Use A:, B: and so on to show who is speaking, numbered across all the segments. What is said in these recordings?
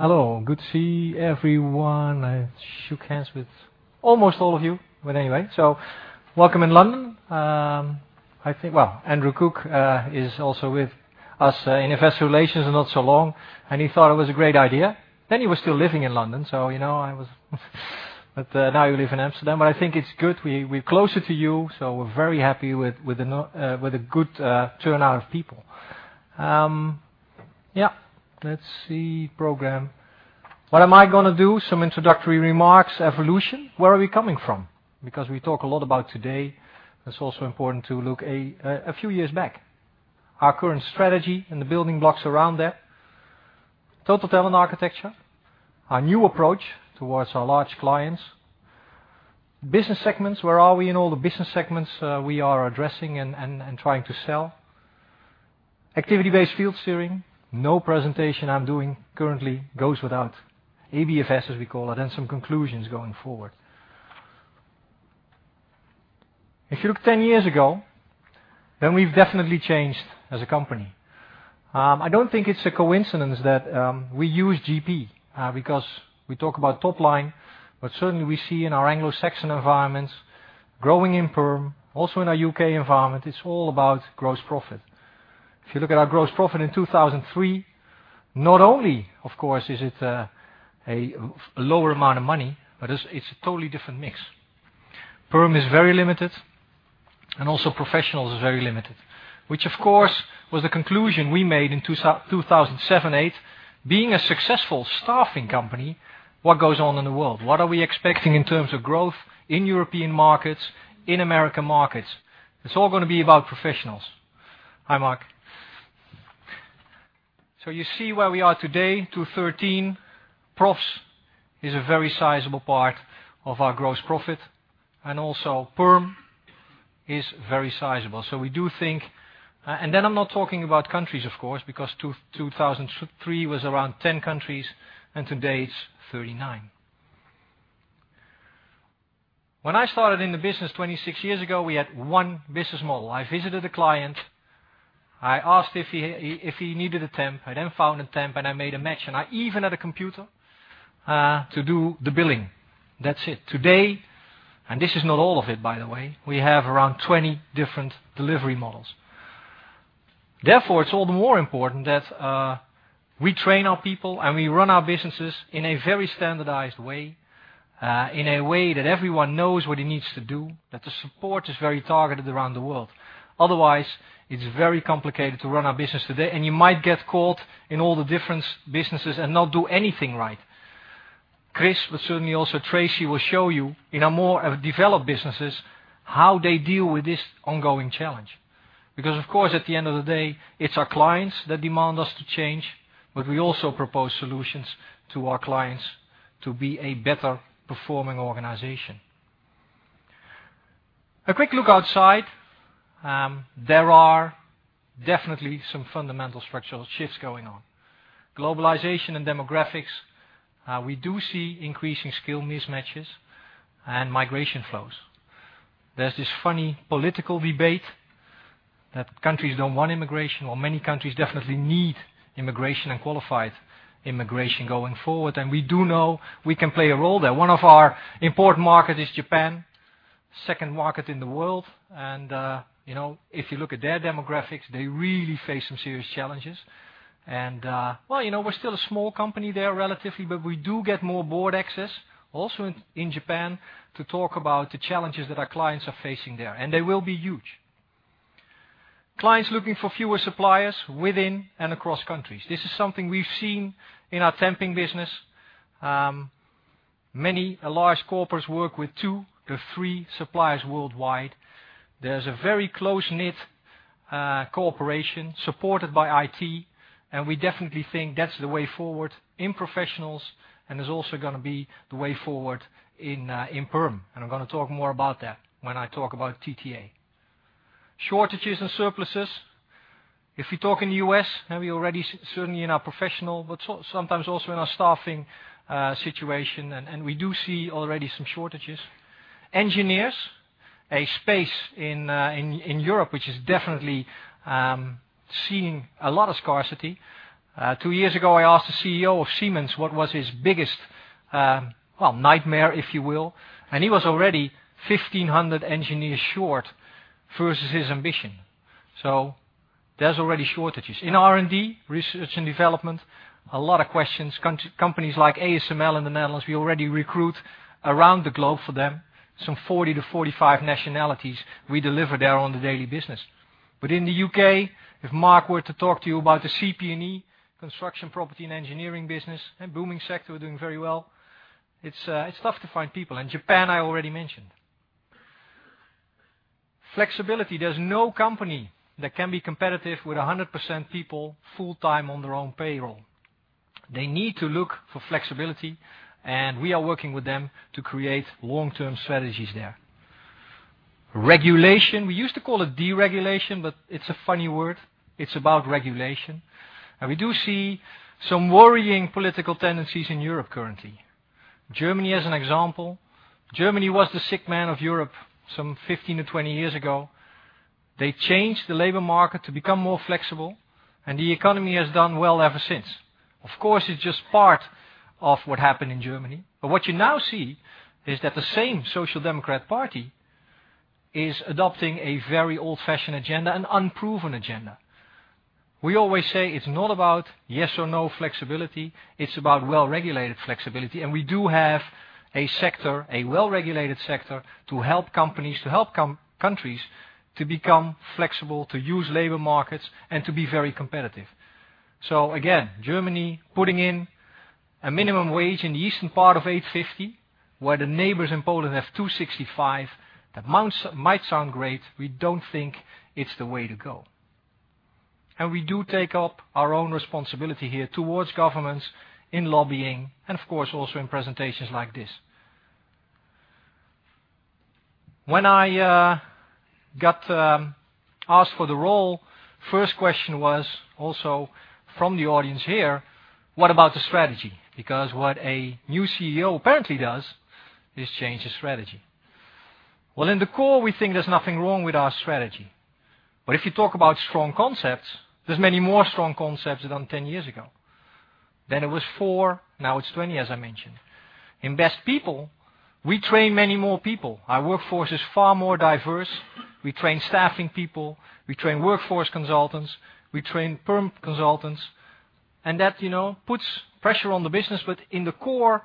A: Hello. Good to see everyone. I shook hands with almost all of you. Anyway. Welcome in London. Andrew Cook is also with us. He was in Investor Relations not so long, and he thought it was a great idea. Now you live in Amsterdam, but I think it's good we're closer to you, so we're very happy with a good turnout of people. Program. What am I going to do? Some introductory remarks. Evolution, where are we coming from? We talk a lot about today, it's also important to look a few years back. Our current strategy and the building blocks around that. Total Talent Architecture, our new approach towards our large clients. Business segments, where are we in all the business segments we are addressing and trying to sell. Activity-Based Field Steering. No presentation I'm doing currently goes without ABFS, as we call it. Some conclusions going forward. If you look 10 years ago, we've definitely changed as a company. I don't think it's a coincidence that we use GP. We talk about top line, but certainly we see in our Anglo-Saxon environments, growing in perm, also in our U.K. environment, it's all about gross profit. If you look at our gross profit in 2003, not only, of course, is it a lower amount of money, but it's a totally different mix. Perm is very limited, and also professionals is very limited. Of course, that was the conclusion we made in 2007, '08, being a successful staffing company. What goes on in the world? What are we expecting in terms of growth in European markets, in American markets? It's all going to be about professionals. Hi, Mark. You see where we are today, 2013. Profs is a very sizable part of our gross profit, and also perm is very sizable. We do think, I'm not talking about countries, of course, because 2003 was around 10 countries, and today it's 39. When I started in the business 26 years ago, we had one business model. I visited a client, I asked if he needed a temp, I then found a temp, and I made a match. I even had a computer to do the billing. That's it. Today, this is not all of it, by the way, we have around 20 different delivery models. Therefore, it's all the more important that we train our people and we run our businesses in a very standardized way, in a way that everyone knows what he needs to do, that the support is very targeted around the world. Otherwise, it's very complicated to run our business today, and you might get caught in all the different businesses and not do anything right. Chris, but certainly also Tracy, will show you in our more developed businesses how they deal with this ongoing challenge. Of course, at the end of the day, it's our clients that demand us to change, but we also propose solutions to our clients to be a better-performing organization. A quick look outside. There are definitely some fundamental structural shifts going on. Globalization and demographics. We do see increasing skill mismatches and migration flows. There's this funny political debate that countries don't want immigration, while many countries definitely need immigration and qualified immigration going forward, and we do know we can play a role there. One of our important market is Japan, second market in the world, and if you look at their demographics, they really face some serious challenges, and we're still a small company there, relatively, but we do get more board access, also in Japan, to talk about the challenges that our clients are facing there, and they will be huge. Clients looking for fewer suppliers within and across countries. This is something we've seen in our temping business. Many large corporates work with two to three suppliers worldwide. There's a very close-knit cooperation supported by IT. We definitely think that's the way forward in professionals. It's also going to be the way forward in perm. I'm going to talk more about that when I talk about TTA. Shortages and surpluses. If we talk in the U.S., we already certainly in our professional, but sometimes also in our staffing situation. We do see already some shortages. Engineers, a space in Europe which is definitely seeing a lot of scarcity. Two years ago, I asked the CEO of Siemens what was his biggest nightmare, if you will. He was already 1,500 engineers short versus his ambition. There's already shortages. In R&D, research and development, a lot of questions. Companies like ASML in the Netherlands, we already recruit around the globe for them. Some 40 to 45 nationalities we deliver there on the daily business. In the U.K., if Mark were to talk to you about the CPE, construction, property, and engineering business, a booming sector, doing very well. It's tough to find people. Japan, I already mentioned. Flexibility. There's no company that can be competitive with 100% people full-time on their own payroll. They need to look for flexibility, and we are working with them to create long-term strategies there. Regulation. We used to call it deregulation, but it's a funny word. It's about regulation. We do see some worrying political tendencies in Europe currently. Germany as an example. Germany was the sick man of Europe some 15 to 20 years ago. They changed the labor market to become more flexible. The economy has done well ever since. Of course, it's just part of what happened in Germany. What you now see is that the same Social Democrat party is adopting a very old-fashioned agenda, an unproven agenda. We always say it's not about yes or no flexibility, it's about well-regulated flexibility. We do have a well-regulated sector to help companies, to help countries to become flexible, to use labor markets, and to be very competitive. Again, Germany putting in a minimum wage in the eastern part of 850, where the neighbors in Poland have 265. That might sound great. We don't think it's the way to go. We do take up our own responsibility here towards governments in lobbying and, of course, also in presentations like this. When I got asked for the role, first question was also from the audience here, what about the strategy? What a new CEO apparently does is change the strategy. Well, in the core, we think there's nothing wrong with our strategy. If you talk about strong concepts, there's many more strong concepts than 10 years ago. Then it was 4, now it's 20, as I mentioned. In best people, we train many more people. Our workforce is far more diverse. We train staffing people, we train workforce consultants, we train perm consultants. That puts pressure on the business. In the core,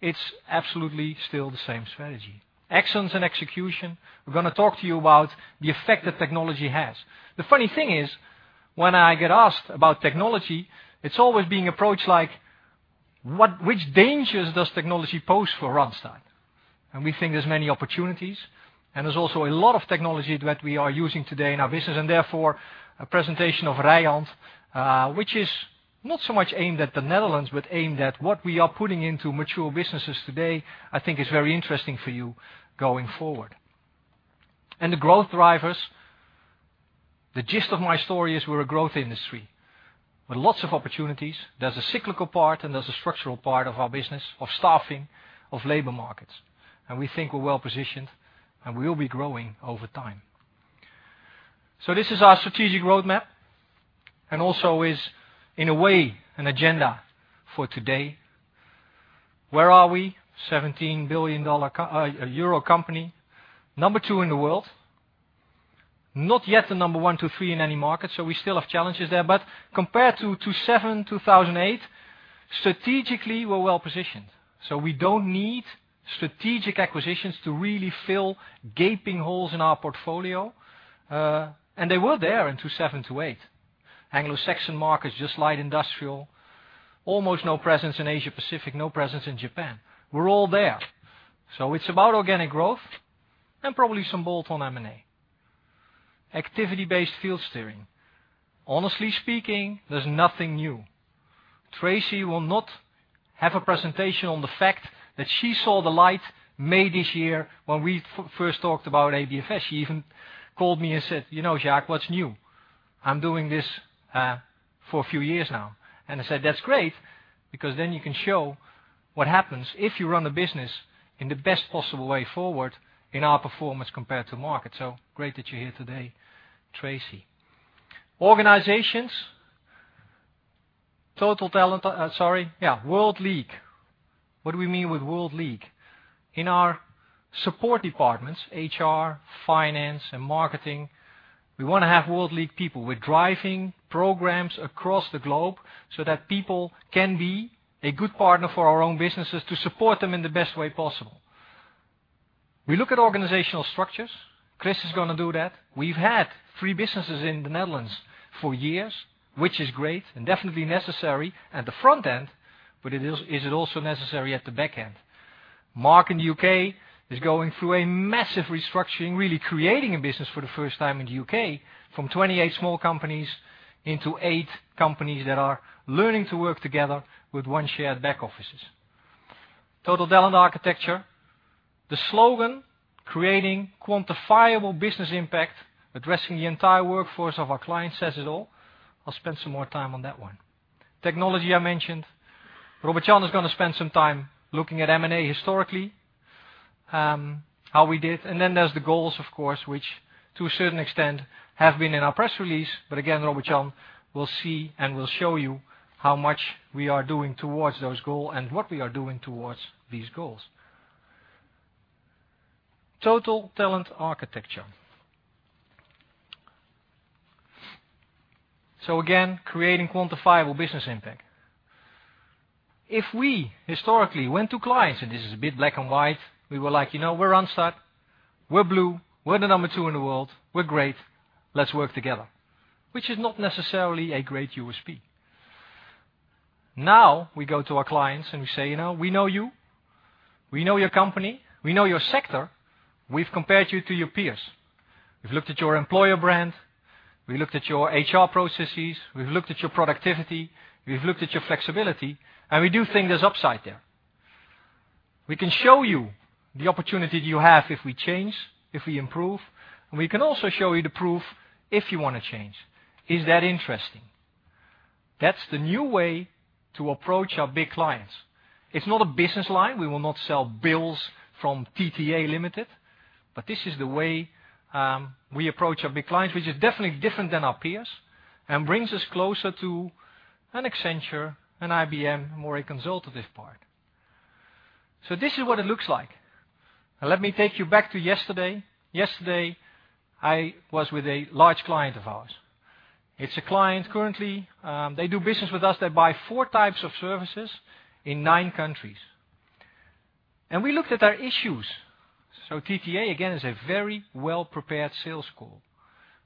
A: it's absolutely still the same strategy. Excellence and execution. We're going to talk to you about the effect that technology has. The funny thing is, when I get asked about technology, it's always being approached like, which dangers does technology pose for Randstad? We think there's many opportunities. There's also a lot of technology that we are using today in our business. Therefore, a presentation of Ryan, which is not so much aimed at the Netherlands, but aimed at what we are putting into mature businesses today, I think is very interesting for you going forward. The growth drivers. The gist of my story is we're a growth industry with lots of opportunities. There's a cyclical part and there's a structural part of our business, of staffing, of labor markets. We think we're well-positioned. We will be growing over time. This is our strategic roadmap and also is, in a way, an agenda for today. Where are we? EUR 17 billion company, number 2 in the world. Not yet the number 1 to 3 in any market. We still have challenges there. Compared to 2007, 2008, strategically, we're well-positioned. We don't need strategic acquisitions to really fill gaping holes in our portfolio. They were there in 2007, 2008. Anglo-Saxon markets, just light industrial, almost no presence in Asia-Pacific, no presence in Japan. We're all there. It's about organic growth and probably some bolt-on M&A. Activity-based field steering. Honestly speaking, there's nothing new. Tracy will not have a presentation on the fact that she saw the light May this year when we first talked about ABFS. She even called me and said, "You know, Jacques, what's new? I'm doing this for a few years now." I said, "That's great. Then you can show what happens if you run a business in the best possible way forward in our performance compared to market. Great that you're here today, Tracy. Organizations. World League. What do we mean with World League? In our support departments, HR, finance, and marketing, we want to have World League people. We're driving programs across the globe that people can be a good partner for our own businesses to support them in the best way possible. We look at organizational structures. Chris is going to do that. We've had 3 businesses in the Netherlands for years, which is great and definitely necessary at the front end. Is it also necessary at the back end? Mark in the U.K. is going through a massive restructuring, really creating a business for the first time in the U.K. from 28 small companies into eight companies that are learning to work together with one shared back offices. Total Talent Architecture. The slogan, Creating Quantifiable Business Impact, Addressing the Entire Workforce of Our Clients says it all. I'll spend some more time on that one. Technology, I mentioned. Robert Jan is going to spend some time looking at M&A historically, how we did. Then there's the goals, of course, which to a certain extent have been in our press release. But again, Robert Jan will see and will show you how much we are doing towards those goals and what we are doing towards these goals. Total Talent Architecture. Again, creating quantifiable business impact. If we historically went to clients, and this is a bit black and white, we were like, "We're Randstad, we're blue, we're the number 2 in the world. We're great. Let's work together." Which is not necessarily a great USP. Now we go to our clients, and we say, "We know you. We know your company. We know your sector. We've compared you to your peers. We've looked at your employer brand, we looked at your HR processes, we've looked at your productivity, we've looked at your flexibility, and we do think there's upside there. We can show you the opportunity you have if we change, if we improve, and we can also show you the proof if you want to change. Is that interesting?" That's the new way to approach our big clients. It's not a business line. We will not sell bills from TTA Limited, but this is the way we approach our big clients, which is definitely different than our peers and brings us closer to an Accenture, an IBM, more a consultative part. This is what it looks like. Now let me take you back to yesterday. Yesterday, I was with a large client of ours. It's a client, currently, they do business with us. They buy 4 types of services in nine countries. We looked at their issues. TTA, again, is a very well-prepared sales call.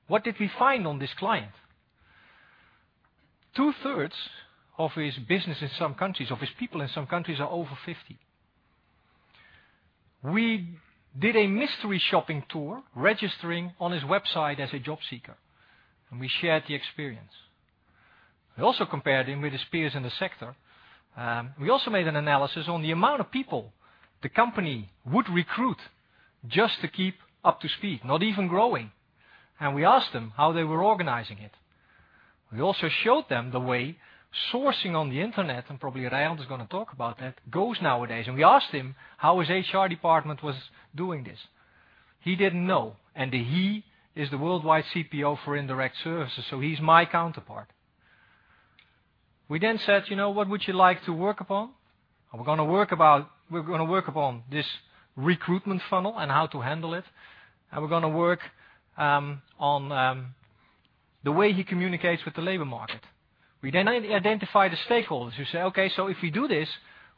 A: What did we find on this client? Two-thirds of his business in some countries, of his people in some countries are over 50. We did a mystery shopping tour, registering on his website as a job seeker, and we shared the experience. We also compared him with his peers in the sector. We also made an analysis on the amount of people the company would recruit just to keep up to speed, not even growing. We asked them how they were organizing it. We also showed them the way sourcing on the internet, and probably Ryan is going to talk about that, goes nowadays. We asked him how his HR department was doing this. He didn't know. He is the worldwide CPO for indirect services, so he's my counterpart. We said, "What would you like to work upon?" We're going to work upon this recruitment funnel and how to handle it, and we're going to work on the way he communicates with the labor market. We identify the stakeholders who say, "Okay, so if we do this,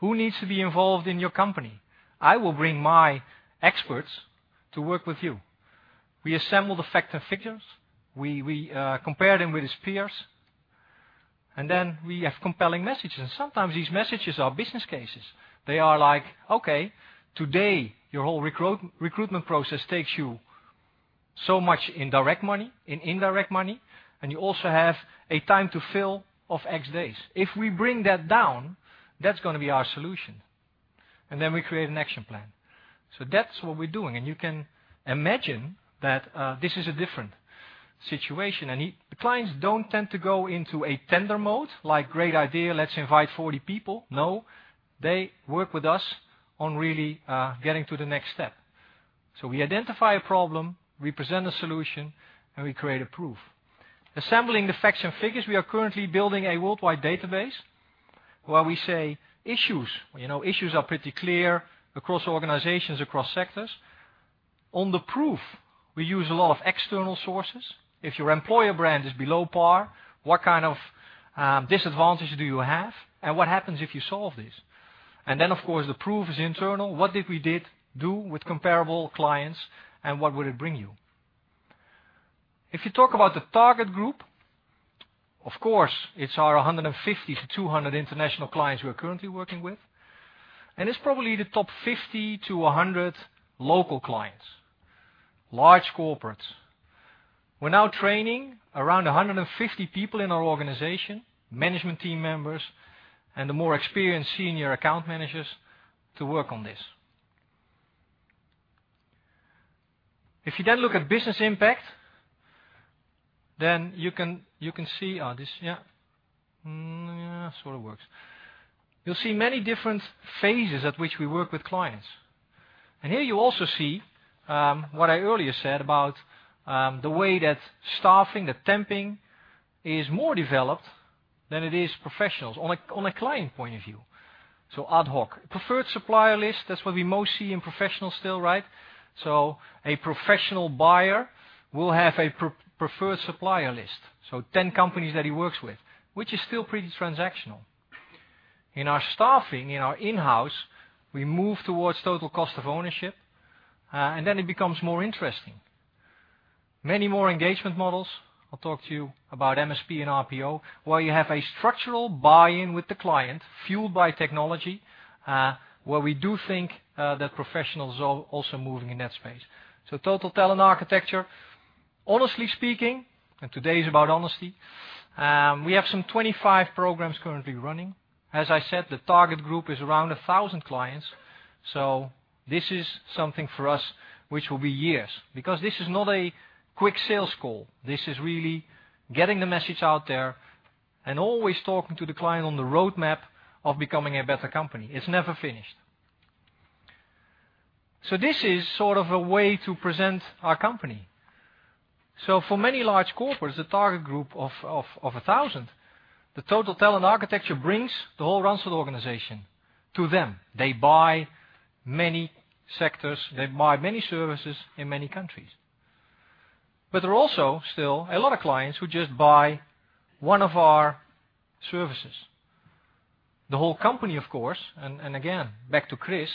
A: who needs to be involved in your company? I will bring my experts to work with you." We assemble the facts and figures. We compare them with his peers. We have compelling messages. Sometimes these messages are business cases. They are like, "Okay, today, your whole recruitment process takes you so much in direct money, in indirect money, and you also have a time to fill of X days." If we bring that down, that's going to be our solution. We create an action plan. That's what we're doing, and you can imagine that this is a different situation. The clients don't tend to go into a tender mode like, "Great idea, let's invite 40 people." No, they work with us on really getting to the next step. We identify a problem, we present a solution, and we create a proof. Assembling the facts and figures, we are currently building a worldwide database where we say issues. Issues are pretty clear across organizations, across sectors. On the proof, we use a lot of external sources. If your employer brand is below par, what kind of disadvantage do you have? What happens if you solve this? Of course, the proof is internal. What did we do with comparable clients, and what would it bring you? If you talk about the target group, of course, it's our 150-200 international clients we are currently working with, and it's probably the top 50-100 local clients, large corporates. We're now training around 150 people in our organization, management team members, and the more experienced senior account managers to work on this. If you look at business impact, you can see this here. Sort of works. You'll see many different phases at which we work with clients. Here you also see, what I earlier said about, the way that staffing, that temping is more developed than it is professionals on a client point of view. Ad hoc. Preferred supplier list, that's what we most see in professional still, right? A professional buyer will have a preferred supplier list. 10 companies that he works with, which is still pretty transactional. In our staffing, in our in-house, we move towards total cost of ownership, and then it becomes more interesting. Many more engagement models. I'll talk to you about MSP and RPO, where you have a structural buy-in with the client, fueled by technology, where we do think that professional is also moving in that space. Total Talent Architecture. Honestly speaking, today is about honesty, we have some 25 programs currently running. As I said, the target group is around 1,000 clients. This is something for us which will be years, because this is not a quick sales call. This is really getting the message out there and always talking to the client on the roadmap of becoming a better company. It's never finished. This is sort of a way to present our company. For many large corporates, the target group of 1,000, the Total Talent Architecture brings the whole Randstad organization to them. They buy many sectors. They buy many services in many countries. There are also still a lot of clients who just buy one of our services. The whole company, of course, and again, back to Chris,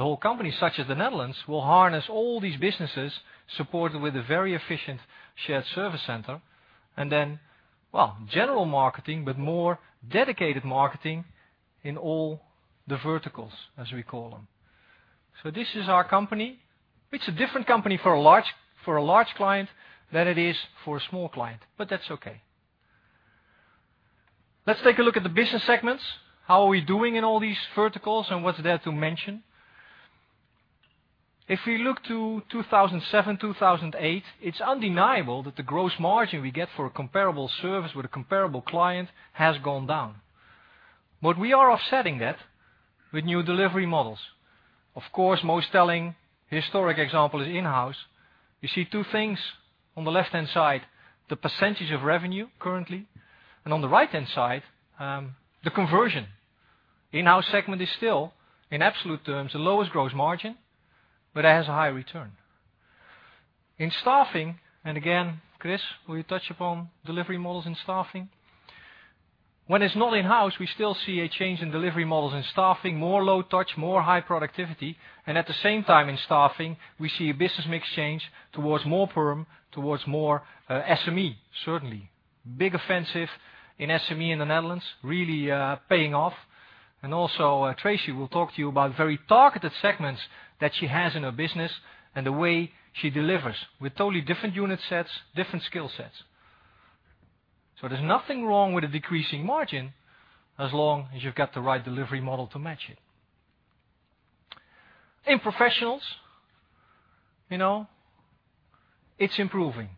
A: the whole company, such as the Netherlands, will harness all these businesses supported with a very efficient shared service center, and then, well, general marketing, but more dedicated marketing in all the verticals, as we call them. This is our company. It's a different company for a large client than it is for a small client, but that's okay. Let's take a look at the business segments. How are we doing in all these verticals and what's there to mention? If we look to 2007, 2008, it's undeniable that the gross margin we get for a comparable service with a comparable client has gone down. We are offsetting that with new delivery models. Of course, most telling historic example is in-house. You see two things. On the left-hand side, the percentage of revenue currently, and on the right-hand side, the conversion. In-house segment is still, in absolute terms, the lowest gross margin, but it has a high return. In staffing, and again, Chris, will you touch upon delivery models in staffing? When it's not in-house, we still see a change in delivery models. In staffing, more low touch, more high productivity, and at the same time in staffing, we see a business mix change towards more perm, towards more SME, certainly. Big offensive in SME in the Netherlands, really paying off. Tracy will talk to you about very targeted segments that she has in her business and the way she delivers with totally different unit sets, different skill sets. There's nothing wrong with a decreasing margin as long as you've got the right delivery model to match it. In professionals, it's improving.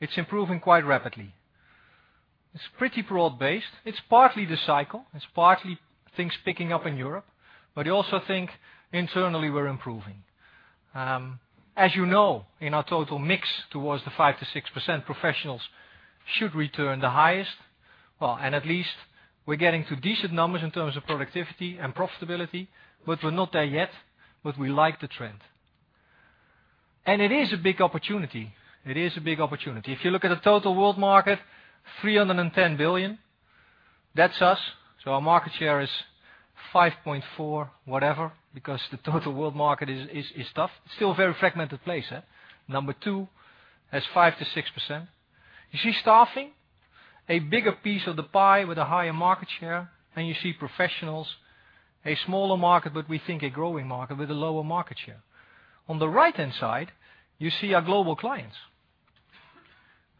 A: It's improving quite rapidly. It's pretty broad-based. It's partly the cycle, it's partly things picking up in Europe, but I also think internally, we're improving. As you know, in our total mix towards the 5%-6% professionals should return the highest. At least we're getting to decent numbers in terms of productivity and profitability, but we're not there yet. We like the trend. It is a big opportunity. If you look at the total world market, 310 billion, that's us. Our market share is 5.4 whatever, because the total world market is tough. It's still a very fragmented place. Number two has 5%-6%. You see staffing, a bigger piece of the pie with a higher market share, and you see professionals, a smaller market, but we think a growing market with a lower market share. On the right-hand side, you see our global clients.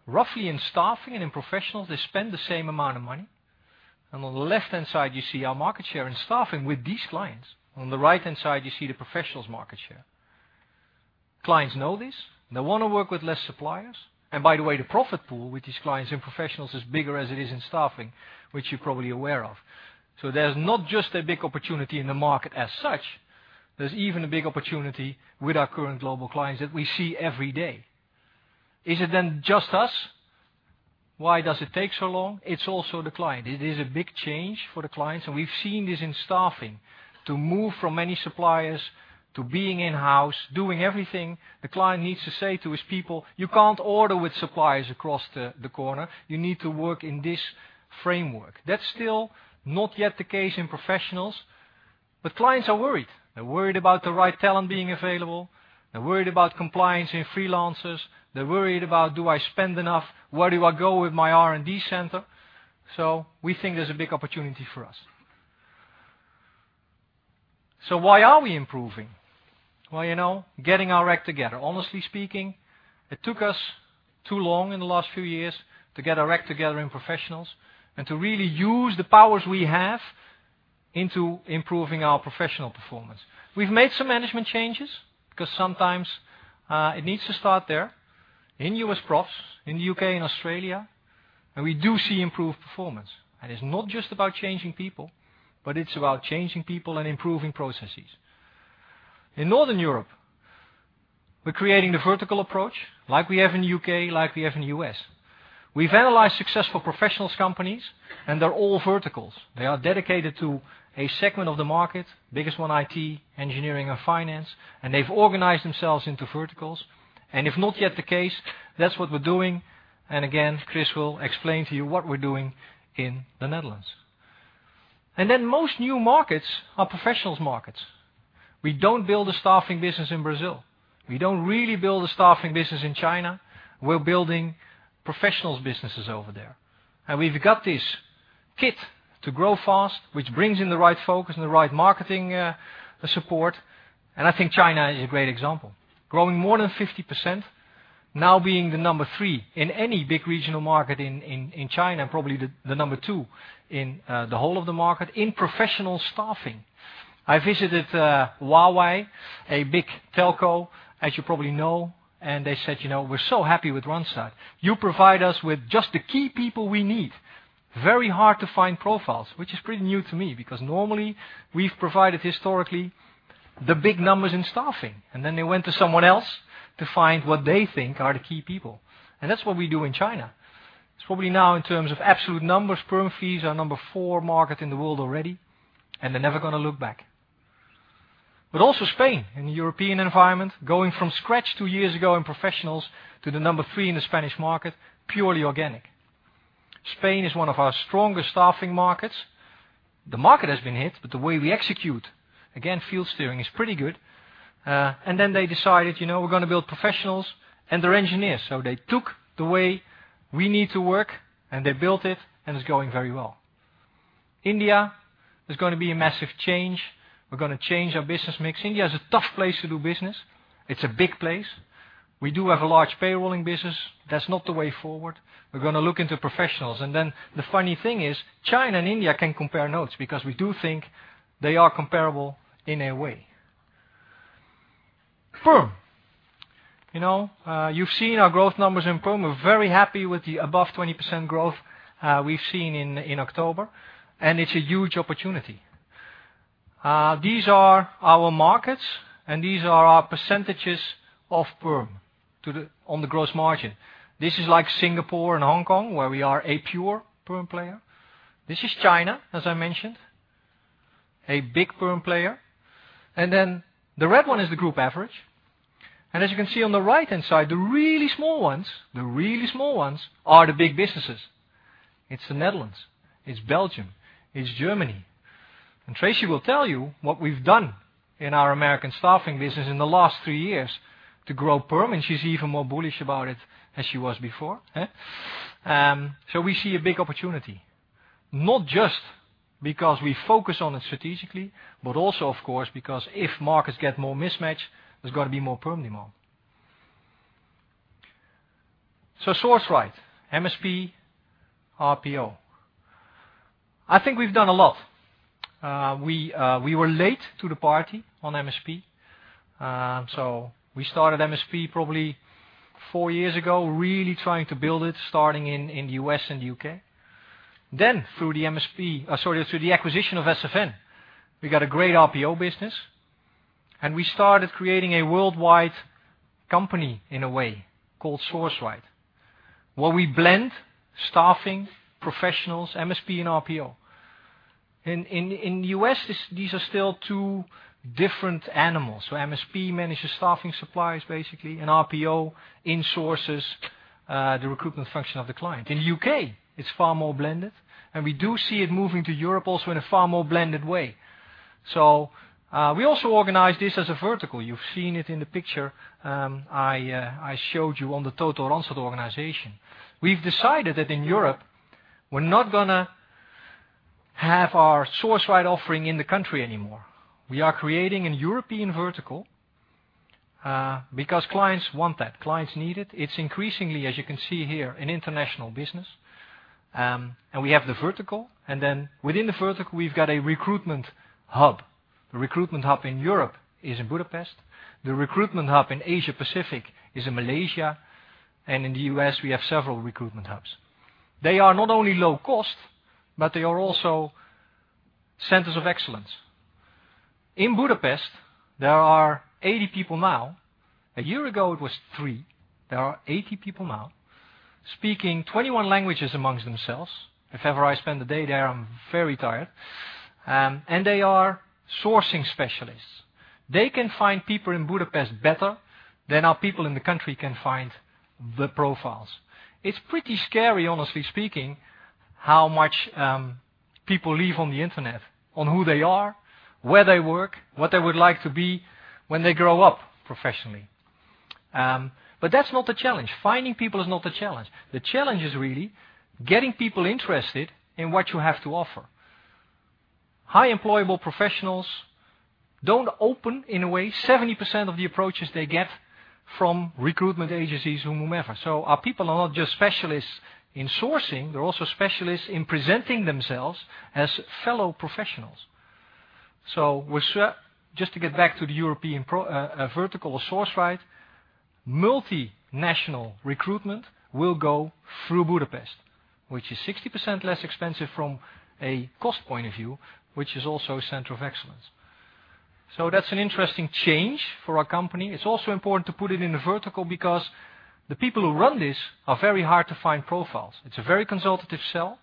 A: Roughly in staffing and in professionals, they spend the same amount of money. On the left-hand side, you see our market share in staffing with these clients. On the right-hand side, you see the professionals market share. Clients know this, and they want to work with less suppliers. By the way, the profit pool with these clients and professionals is bigger as it is in staffing, which you're probably aware of. There's not just a big opportunity in the market as such. There's even a big opportunity with our current global clients that we see every day. Is it then just us? Why does it take so long? It's also the client. It is a big change for the clients, and we've seen this in staffing. To move from many suppliers to being in-house, doing everything, the client needs to say to his people, "You can't order with suppliers across the corner. You need to work in this framework." That's still not yet the case in professionals, but clients are worried. They're worried about the right talent being available. They're worried about compliance in freelancers. They're worried about, do I spend enough? Where do I go with my R&D center? We think there's a big opportunity for us. Why are we improving? Well, getting our act together. Honestly speaking, it took us too long in the last few years to get our act together in professionals and to really use the powers we have into improving our professional performance. We've made some management changes because sometimes it needs to start there, in U.S. profs, in the U.K. and Australia, we do see improved performance. It's not just about changing people, but it's about changing people and improving processes. In Northern Europe, we're creating the vertical approach like we have in the U.K., like we have in the U.S. We've analyzed successful professionals companies, they're all verticals. They are dedicated to a segment of the market, biggest one, IT, engineering, or finance, they've organized themselves into verticals. If not yet the case, that's what we're doing. Again, Chris will explain to you what we're doing in the Netherlands. Most new markets are professionals markets. We don't build a staffing business in Brazil. We don't really build a staffing business in China. We're building professionals businesses over there. We've got this kit to grow fast, which brings in the right focus and the right marketing support. I think China is a great example. Growing more than 50%, now being the number 3 in any big regional market in China, probably the number 2 in the whole of the market in professional staffing. I visited Huawei, a big telco, as you probably know, they said, "We're so happy with Randstad. You provide us with just the key people we need." Very hard to find profiles, which is pretty new to me because normally we've provided historically the big numbers in staffing, then they went to someone else to find what they think are the key people. That's what we do in China. It's probably now in terms of absolute numbers, perm fees, our number 4 market in the world already, they're never going to look back. Also Spain in the European environment, going from scratch 2 years ago in professionals to the number 3 in the Spanish market, purely organic. Spain is one of our strongest staffing markets. The market has been hit, the way we execute, again, field steering is pretty good. They decided, we're going to build professionals and they're engineers. They took the way we need to work, they built it's going very well. India is going to be a massive change. We're going to change our business mix. India is a tough place to do business. It's a big place. We do have a large payrolling business. That's not the way forward. We're going to look into professionals. The funny thing is, China and India can compare notes because we do think they are comparable in a way. Perm. You've seen our growth numbers in perm. We're very happy with the above 20% growth we've seen in October, and it's a huge opportunity. These are our markets, and these are our percentages of perm on the gross margin. This is like Singapore and Hong Kong, where we are a pure perm player. This is China, as I mentioned, a big perm player. The red one is the group average. As you can see on the right-hand side, the really small ones are the big businesses. It's the Netherlands, it's Belgium, it's Germany. Tracy will tell you what we've done in our American staffing business in the last three years to grow perm, and she's even more bullish about it than she was before. We see a big opportunity, not just because we focus on it strategically, but also of course, because if markets get more mismatched, there's got to be more perm demand. Sourceright, MSP, RPO. I think we've done a lot. We were late to the party on MSP. We started MSP probably four years ago, really trying to build it, starting in the U.S. and the U.K. Then through the acquisition of SFN, we got a great RPO business, and we started creating a worldwide company in a way called Sourceright, where we blend staffing, professionals, MSP, and RPO. In the U.S., these are still two different animals. MSP manages staffing supplies, basically, and RPO insources the recruitment function of the client. In the U.K., it's far more blended, and we do see it moving to Europe also in a far more blended way. We also organize this as a vertical. You've seen it in the picture I showed you on the total Randstad organization. We've decided that in Europe, we're not going to have our Sourceright offering in the country anymore. We are creating a European vertical because clients want that. Clients need it. It's increasingly, as you can see here, an international business. We have the vertical, and then within the vertical, we've got a recruitment hub. The recruitment hub in Europe is in Budapest. The recruitment hub in Asia-Pacific is in Malaysia, and in the U.S., we have several recruitment hubs. They are not only low cost, but they are also centers of excellence. In Budapest, there are 80 people now. A year ago it was three. There are 80 people now speaking 21 languages amongst themselves. If ever I spend the day there, I'm very tired. They are sourcing specialists. They can find people in Budapest better than our people in the country can find the profiles. It's pretty scary, honestly speaking, how much people leave on the internet on who they are, where they work, what they would like to be when they grow up professionally. That's not the challenge. Finding people is not the challenge. The challenge is really getting people interested in what you have to offer. High-employable professionals don't open, in a way, 70% of the approaches they get from recruitment agencies or whomever. Our people are not just specialists in sourcing, they're also specialists in presenting themselves as fellow professionals. Just to get back to the European vertical of Sourceright, multinational recruitment will go through Budapest, which is 60% less expensive from a cost point of view, which is also a center of excellence. That's an interesting change for our company. It's also important to put it in the vertical because the people who run this are very hard-to-find profiles. It's a very consultative sell.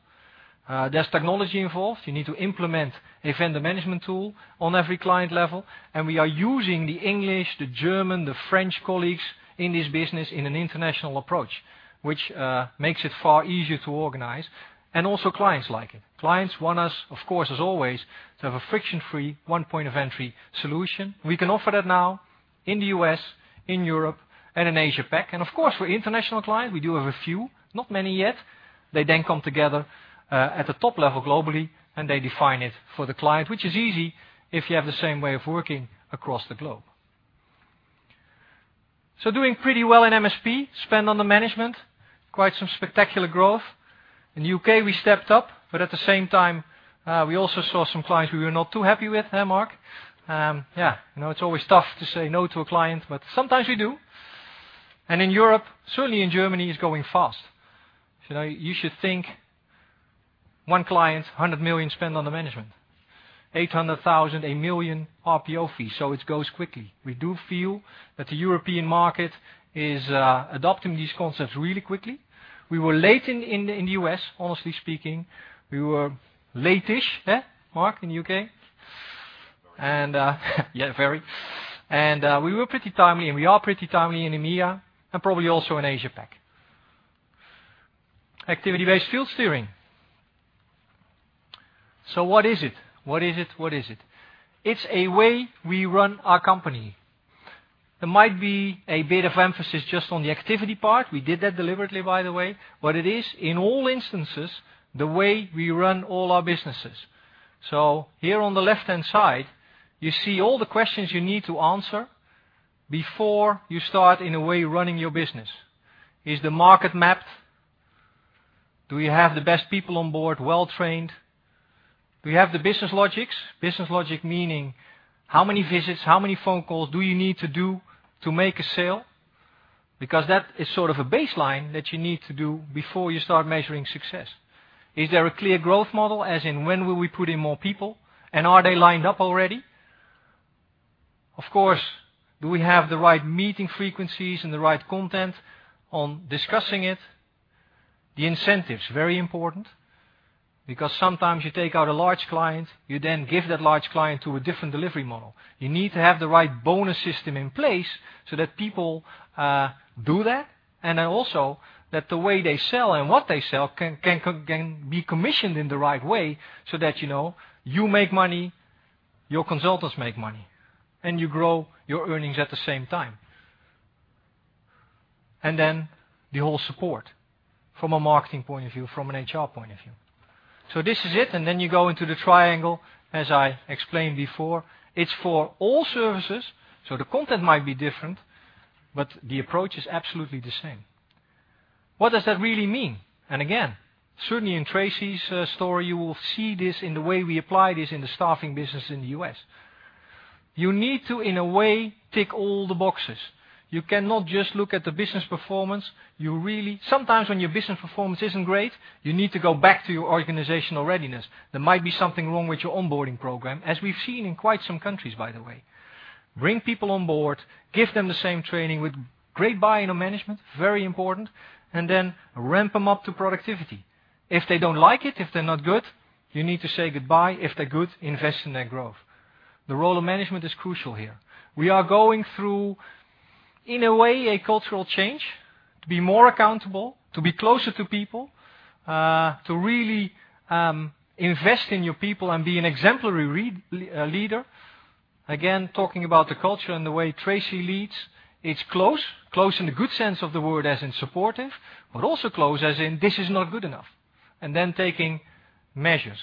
A: There's technology involved. You need to implement a vendor management tool on every client level. We are using the English, the German, the French colleagues in this business in an international approach, which makes it far easier to organize. Also clients like it. Clients want us, of course, as always, to have a friction-free, one-point-of-entry solution. We can offer that now in the U.S., in Europe, and in Asia-Pac. Of course, for international clients, we do have a few, not many yet. They then come together at the top level globally, and they define it for the client, which is easy if you have the same way of working across the globe. Doing pretty well in MSP, spend under management, quite some spectacular growth. In the U.K., we stepped up, but at the same time, we also saw some clients we were not too happy with. Hey, Mark. It's always tough to say no to a client, but sometimes we do. In Europe, certainly in Germany, it's growing fast. You should think one client, 100 million spend under management, 800,000, 1 million RPO fees. It goes quickly. We do feel that the European market is adopting these concepts really quickly. We were late in the U.S., honestly speaking. We were late-ish, Mark, in the U.K.
B: Very.
A: Yeah, very. We were pretty timely, and we are pretty timely in EMEA and probably also in Asia-Pac. Activity-based field steering. What is it? It's a way we run our company. There might be a bit of emphasis just on the activity part. We did that deliberately, by the way, but it is, in all instances, the way we run all our businesses. Here on the left-hand side, you see all the questions you need to answer before you start, in a way, running your business. Is the market mapped? Do we have the best people on board, well-trained? Do we have the business logics? Business logic meaning, how many visits, how many phone calls do you need to do to make a sale? That is sort of a baseline that you need to do before you start measuring success. Is there a clear growth model, as in when will we put in more people, and are they lined up already? Of course, do we have the right meeting frequencies and the right content on discussing it? The incentives, very important, because sometimes you take out a large client, you then give that large client to a different delivery model. You need to have the right bonus system in place so that people do that, and then also that the way they sell and what they sell can be commissioned in the right way so that you make money, your consultants make money, and you grow your earnings at the same time. The whole support from a marketing point of view, from an HR point of view. This is it, you go into the triangle, as I explained before. It's for all services. The content might be different, but the approach is absolutely the same. What does that really mean? Again, certainly in Tracy's story, you will see this in the way we apply this in the staffing business in the U.S. You need to, in a way, tick all the boxes. You cannot just look at the business performance. Sometimes when your business performance isn't great, you need to go back to your organizational readiness. There might be something wrong with your onboarding program, as we've seen in quite some countries, by the way. Bring people on board, give them the same training with great buy-in of management, very important, and then ramp them up to productivity. If they don't like it, if they're not good, you need to say goodbye. If they're good, invest in their growth. The role of management is crucial here. We are going through, in a way, a cultural change to be more accountable, to be closer to people, to really invest in your people and be an exemplary leader. Again, talking about the culture and the way Tracy leads, it's close. Close in the good sense of the word, as in supportive, but also close as in this is not good enough. Taking measures.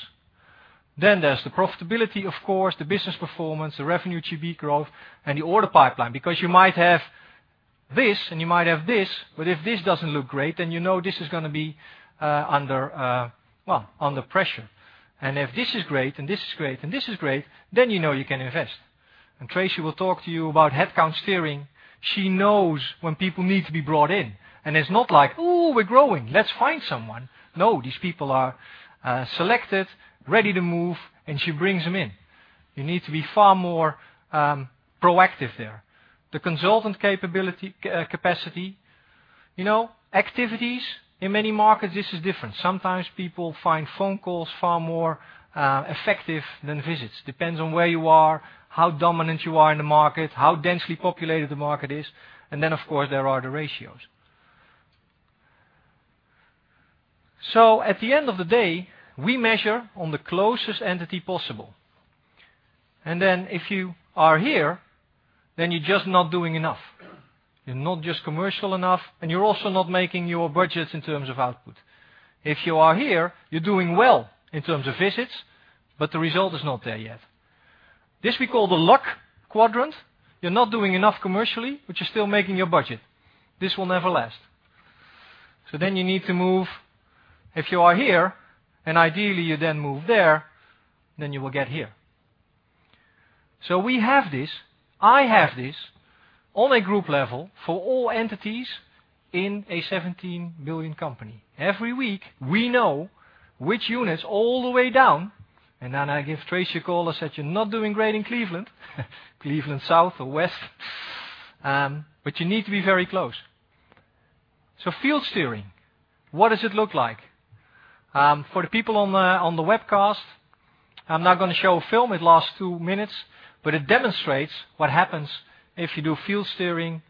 A: There's the profitability, of course, the business performance, the revenue GP growth, and the order pipeline. You might have this, and you might have this, but if this doesn't look great, then you know this is going to be under pressure. If this is great and this is great and this is great, then you know you can invest. Tracy will talk to you about headcount steering. She knows when people need to be brought in, and it's not like, "Ooh, we're growing. Let's find someone." No, these people are selected, ready to move, and she brings them in. You need to be far more proactive there. The consultant capacity. Activities, in many markets, this is different. Sometimes people find phone calls far more effective than visits. Depends on where you are, how dominant you are in the market, how densely populated the market is, and then, of course, there are the ratios. At the end of the day, we measure on the closest entity possible. If you are here, you're just not doing enough. You're not just commercial enough, and you're also not making your budgets in terms of output. If you are here, you're doing well in terms of visits, but the result is not there yet. This, we call the luck quadrant. You are not doing enough commercially, but you are still making your budget. This will never last. Then you need to move. If you are here, and ideally you then move there, then you will get here. We have this, I have this, on a group level for all entities in a 17 million company. Every week, we know which units all the way down, and then I give Tracy a call. I said, "You are not doing great in Cleveland," Cleveland South or West, but you need to be very close. Field steering, what does it look like? For the people on the webcast, I am now going to show a film. It lasts two minutes, but it demonstrates what happens if you do field steering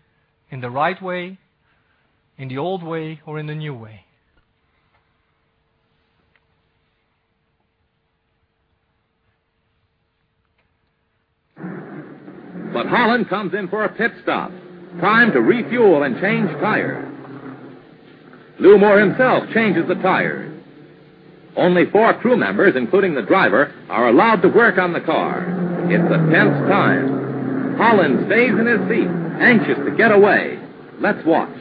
A: in the right way, in the old way, or in the new way.
C: Holland comes in for a pit stop. Time to refuel and change tires. Ludmore himself changes the tires. Only four crew members, including the driver, are allowed to work on the car. It is a tense time. Holland stays in his seat, anxious to get away. Let us watch.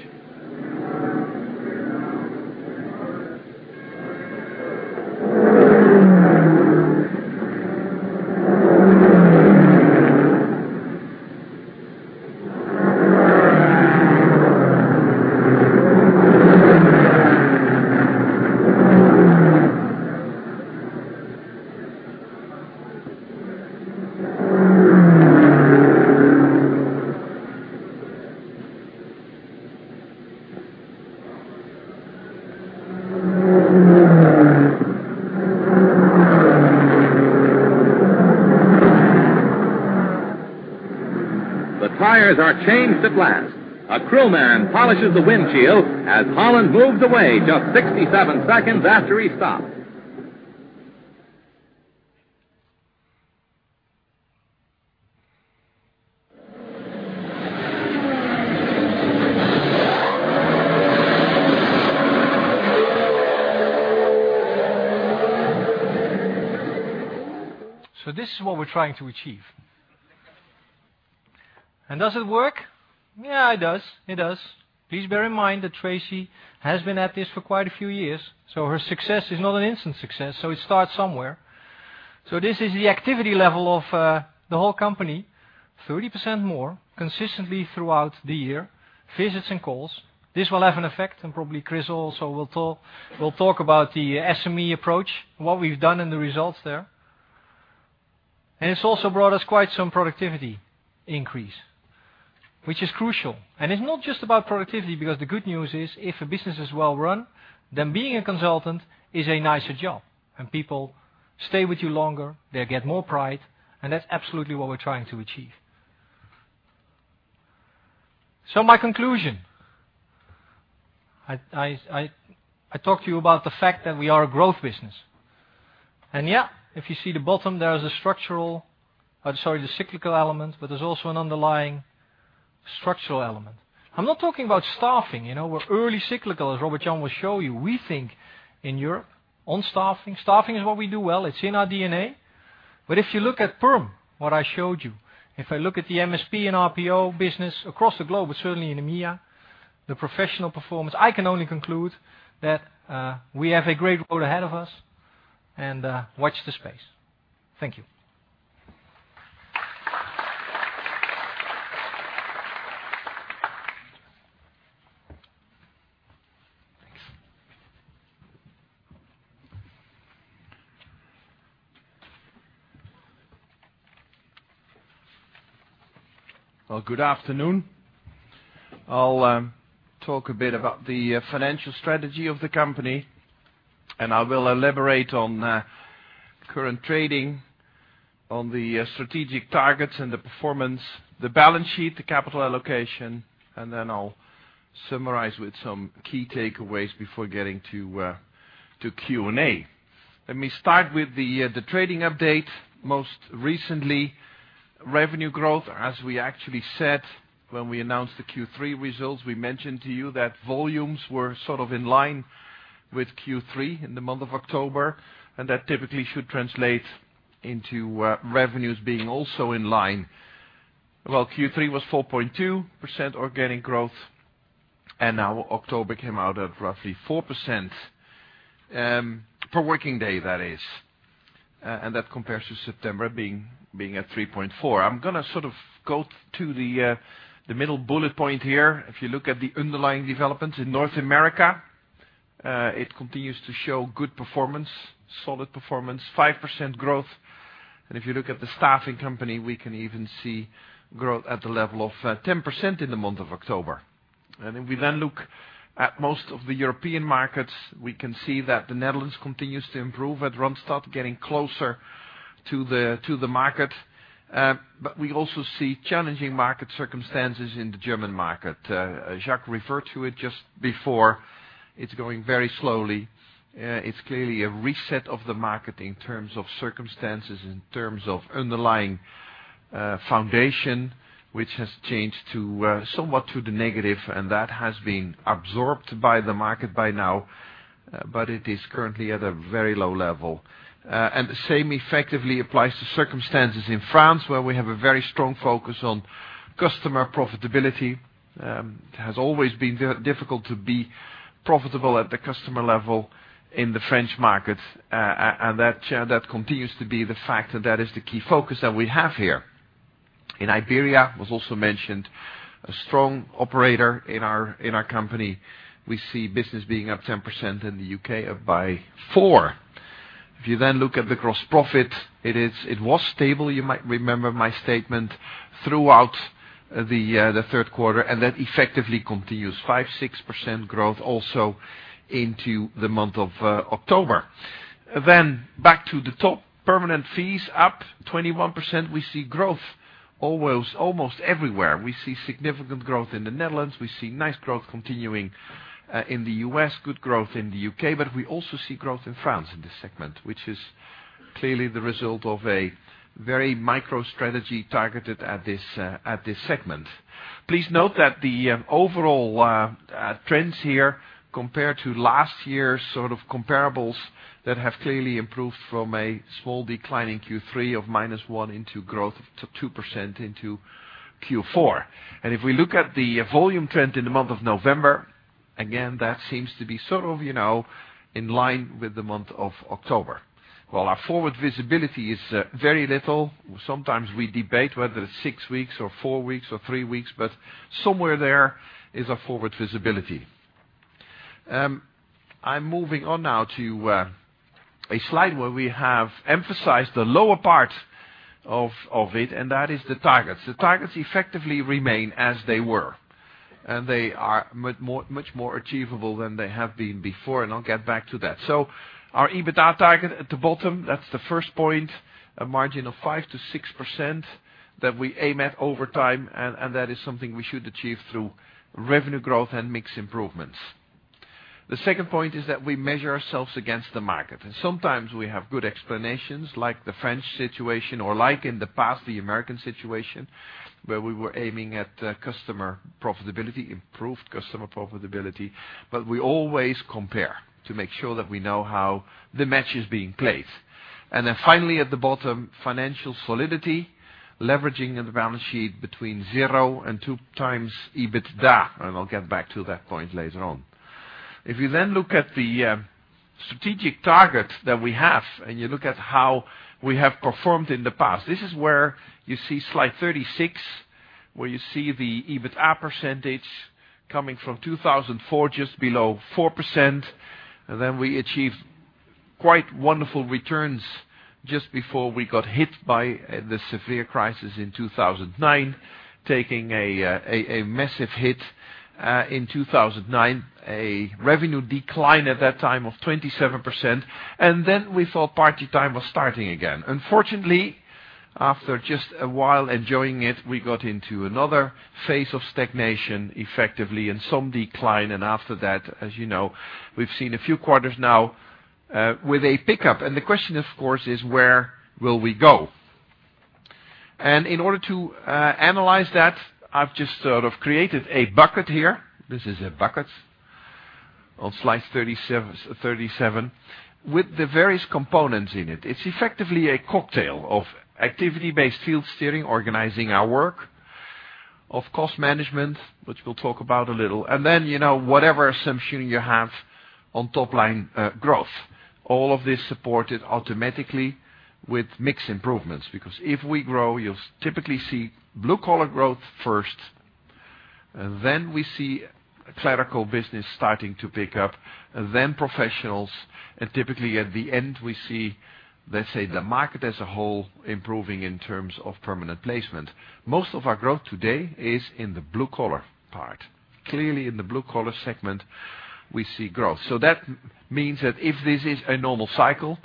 C: The tires are changed at last. A crew man polishes the windshield as Holland moves away just 67 seconds after he stopped.
A: This is what we are trying to achieve. Does it work? Yes, it does. Please bear in mind that Tracy has been at this for quite a few years. Her success is not an instant success. It starts somewhere. This is the activity level of the whole company, 30% more consistently throughout the year, visits and calls. This will have an effect, and probably Chris also will talk about the SME approach, what we have done and the results there. It has also brought us quite some productivity increase, which is crucial. It is not just about productivity, because the good news is if a business is well run, then being a consultant is a nicer job, and people stay with you longer, they get more pride, and that is absolutely what we are trying to achieve. My conclusion, I talked to you about the fact that we are a growth business. Yes, if you see the bottom, there is a structural I am sorry, the cyclical element, but there is also an underlying structural element. I am not talking about staffing. We are early cyclical, as Robert Jan will show you. We think in Europe on staffing. Staffing is what we do well. It is in our DNA. If you look at perm, what I showed you. If I look at the MSP and RPO business across the globe, but certainly in EMEA, the professional performance, I can only conclude that we have a great road ahead of us and watch this space. Thank you.
D: Thanks. Well, good afternoon. I'll talk a bit about the financial strategy of the company. I will elaborate on current trading, on the strategic targets and the performance, the balance sheet, the capital allocation. Then I'll summarize with some key takeaways before getting to Q&A. Let me start with the trading update. Most recently, revenue growth, as we actually said when we announced the Q3 results, we mentioned to you that volumes were sort of in line with Q3 in the month of October. That typically should translate into revenues being also in line. Well, Q3 was 4.2% organic growth. Now October came out at roughly 4%, per working day that is. That compares to September being at 3.4%. I'm going to sort of go to the middle bullet point here. If you look at the underlying developments in North America, it continues to show good performance, solid performance, 5% growth. If you look at the staffing company, we can even see growth at the level of 10% in the month of October. If we then look at most of the European markets, we can see that the Netherlands continues to improve at Randstad, getting closer to the market. We also see challenging market circumstances in the German market. Jacques referred to it just before. It's going very slowly. It's clearly a reset of the market in terms of circumstances, in terms of underlying foundation, which has changed somewhat to the negative. That has been absorbed by the market by now. It is currently at a very low level. The same effectively applies to circumstances in France, where we have a very strong focus on customer profitability. It has always been difficult to be profitable at the customer level in the French market. That continues to be the factor. That is the key focus that we have here. In Iberia, was also mentioned, a strong operator in our company. We see business being up 10% in the U.K., up by four. If you then look at the gross profit, it was stable, you might remember my statement, throughout the third quarter. That effectively continues. 5%-6% growth also into the month of October. Back to the top. Permanent fees up 21%. We see growth almost everywhere. We see significant growth in the Netherlands. We see nice growth continuing in the U.S., good growth in the U.K. We also see growth in France in this segment, which is clearly the result of a very micro strategy targeted at this segment. Please note that the overall trends here compare to last year's comparables that have clearly improved from a small decline in Q3 of -1% into growth of 2% into Q4. If we look at the volume trend in the month of November, again, that seems to be sort of in line with the month of October. Well, our forward visibility is very little. Sometimes we debate whether it's six weeks or four weeks or three weeks. Somewhere there is a forward visibility. I'm moving on now to a slide where we have emphasized the lower part of it. That is the targets. The targets effectively remain as they were, and they are much more achievable than they have been before, and I'll get back to that. Our EBITDA target at the bottom, that's the first point, a margin of 5%-6% that we aim at over time, and that is something we should achieve through revenue growth and mix improvements. The second point is that we measure ourselves against the market. Sometimes we have good explanations, like the French situation, or like in the past, the American situation, where we were aiming at customer profitability, improved customer profitability. We always compare to make sure that we know how the match is being played. Finally, at the bottom, financial solidity, leveraging the balance sheet between 0 and 2 times EBITDA, and I'll get back to that point later on. If you look at the strategic targets that we have, you look at how we have performed in the past, this is where you see slide 36, where you see the EBITDA % coming from 2004, just below 4%. We achieved quite wonderful returns just before we got hit by the severe crisis in 2009, taking a massive hit, in 2009, a revenue decline at that time of 27%. We thought party time was starting again. Unfortunately, after just a while enjoying it, we got into another phase of stagnation effectively and some decline. After that, as you know, we've seen a few quarters now with a pickup. The question, of course, is where will we go? In order to analyze that, I've just sort of created a bucket here. This is a bucket on slide 37 with the various components in it. It's effectively a cocktail of activity-based field steering, organizing our work. Of cost management, which we'll talk about a little. Whatever assumption you have on top-line growth. All of this supported automatically with mix improvements. If we grow, you'll typically see blue-collar growth first. We see clerical business starting to pick up, then professionals. Typically at the end we see, let's say, the market as a whole improving in terms of permanent placement. Most of our growth today is in the blue-collar part. Clearly in the blue-collar segment, we see growth. That means that if this is a normal cycle,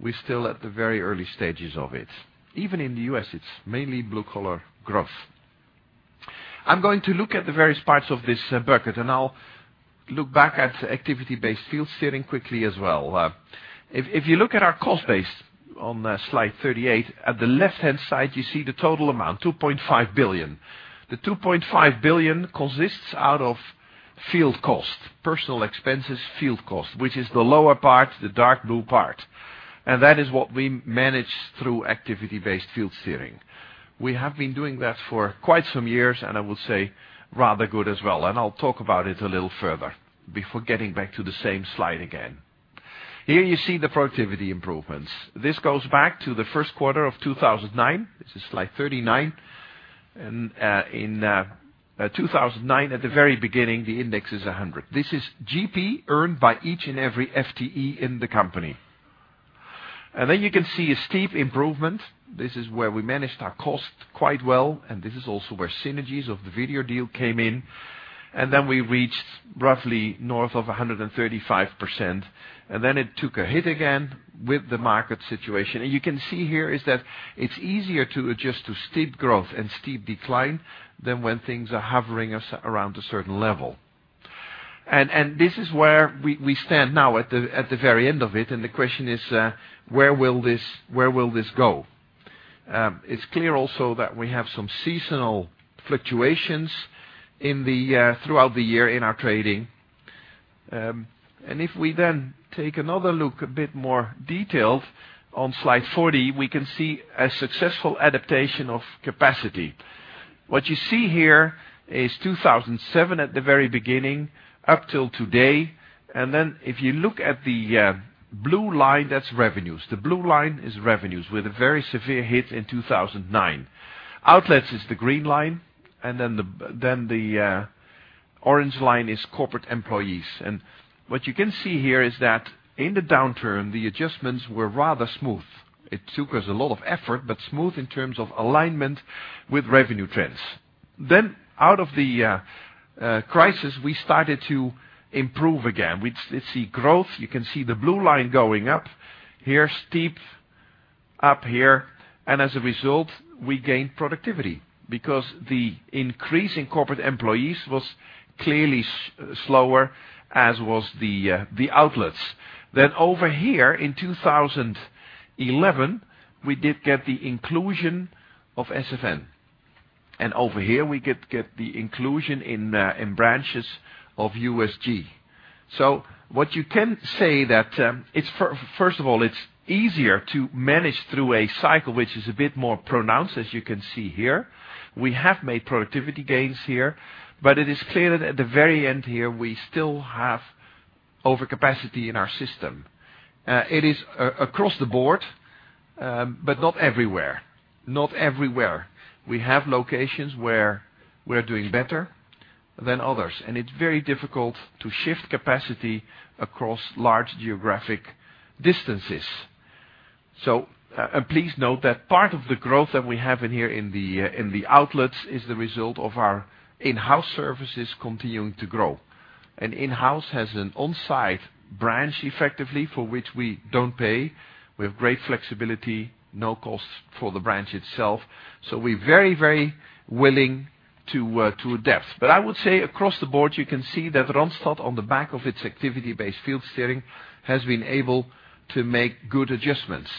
D: we're still at the very early stages of it. Even in the U.S., it's mainly blue-collar growth. I'm going to look at the various parts of this bucket, I'll look back at activity-based field steering quickly as well. If you look at our cost base on slide 38, at the left-hand side, you see the total amount, 2.5 billion. The 2.5 billion consists out of field cost, personal expenses, field cost. Which is the lower part, the dark blue part. That is what we manage through activity-based field steering. We have been doing that for quite some years, and I would say rather good as well. I'll talk about it a little further before getting back to the same slide again. Here you see the productivity improvements. This goes back to the first quarter of 2009. This is slide 39. In 2009, at the very beginning, the index is 100. This is GP earned by each and every FTE in the company. You can see a steep improvement. This is where we managed our cost quite well, and this is also where synergies of the Vedior Deal came in. We reached roughly north of 135%, and then it took a hit again with the market situation. You can see here is that it's easier to adjust to steep growth and steep decline than when things are hovering around a certain level. This is where we stand now at the very end of it. The question is: where will this go? It's clear also that we have some seasonal fluctuations throughout the year in our trading. If we then take another look, a bit more detailed on slide 40, we can see a successful adaptation of capacity. What you see here is 2007 at the very beginning up till today. If you look at the blue line, that's revenues. The blue line is revenues with a very severe hit in 2009. Outlets is the green line, the orange line is corporate employees. What you can see here is that in the downturn, the adjustments were rather smooth. It took us a lot of effort, but smooth in terms of alignment with revenue trends. Out of the crisis, we started to improve again. We see growth. You can see the blue line going up. Here steep, up here. As a result, we gained productivity because the increase in corporate employees was clearly slower, as was the outlets. Over here in 2011, we did get the inclusion of SFN. Over here we get the inclusion in branches of USG. What you can say that, first of all, it's easier to manage through a cycle, which is a bit more pronounced, as you can see here. We have made productivity gains here. It is clear that at the very end here, we still have overcapacity in our system. It is across the board, but not everywhere. We have locations where we're doing better than others, and it's very difficult to shift capacity across large geographic distances. Please note that part of the growth that we have in here in the outlets is the result of our in-house services continuing to grow. In-house has an on-site branch effectively for which we don't pay. We have great flexibility, no cost for the branch itself. We're very willing to adapt. I would say across the board, you can see that Randstad, on the back of its activity-based field steering, has been able to make good adjustments.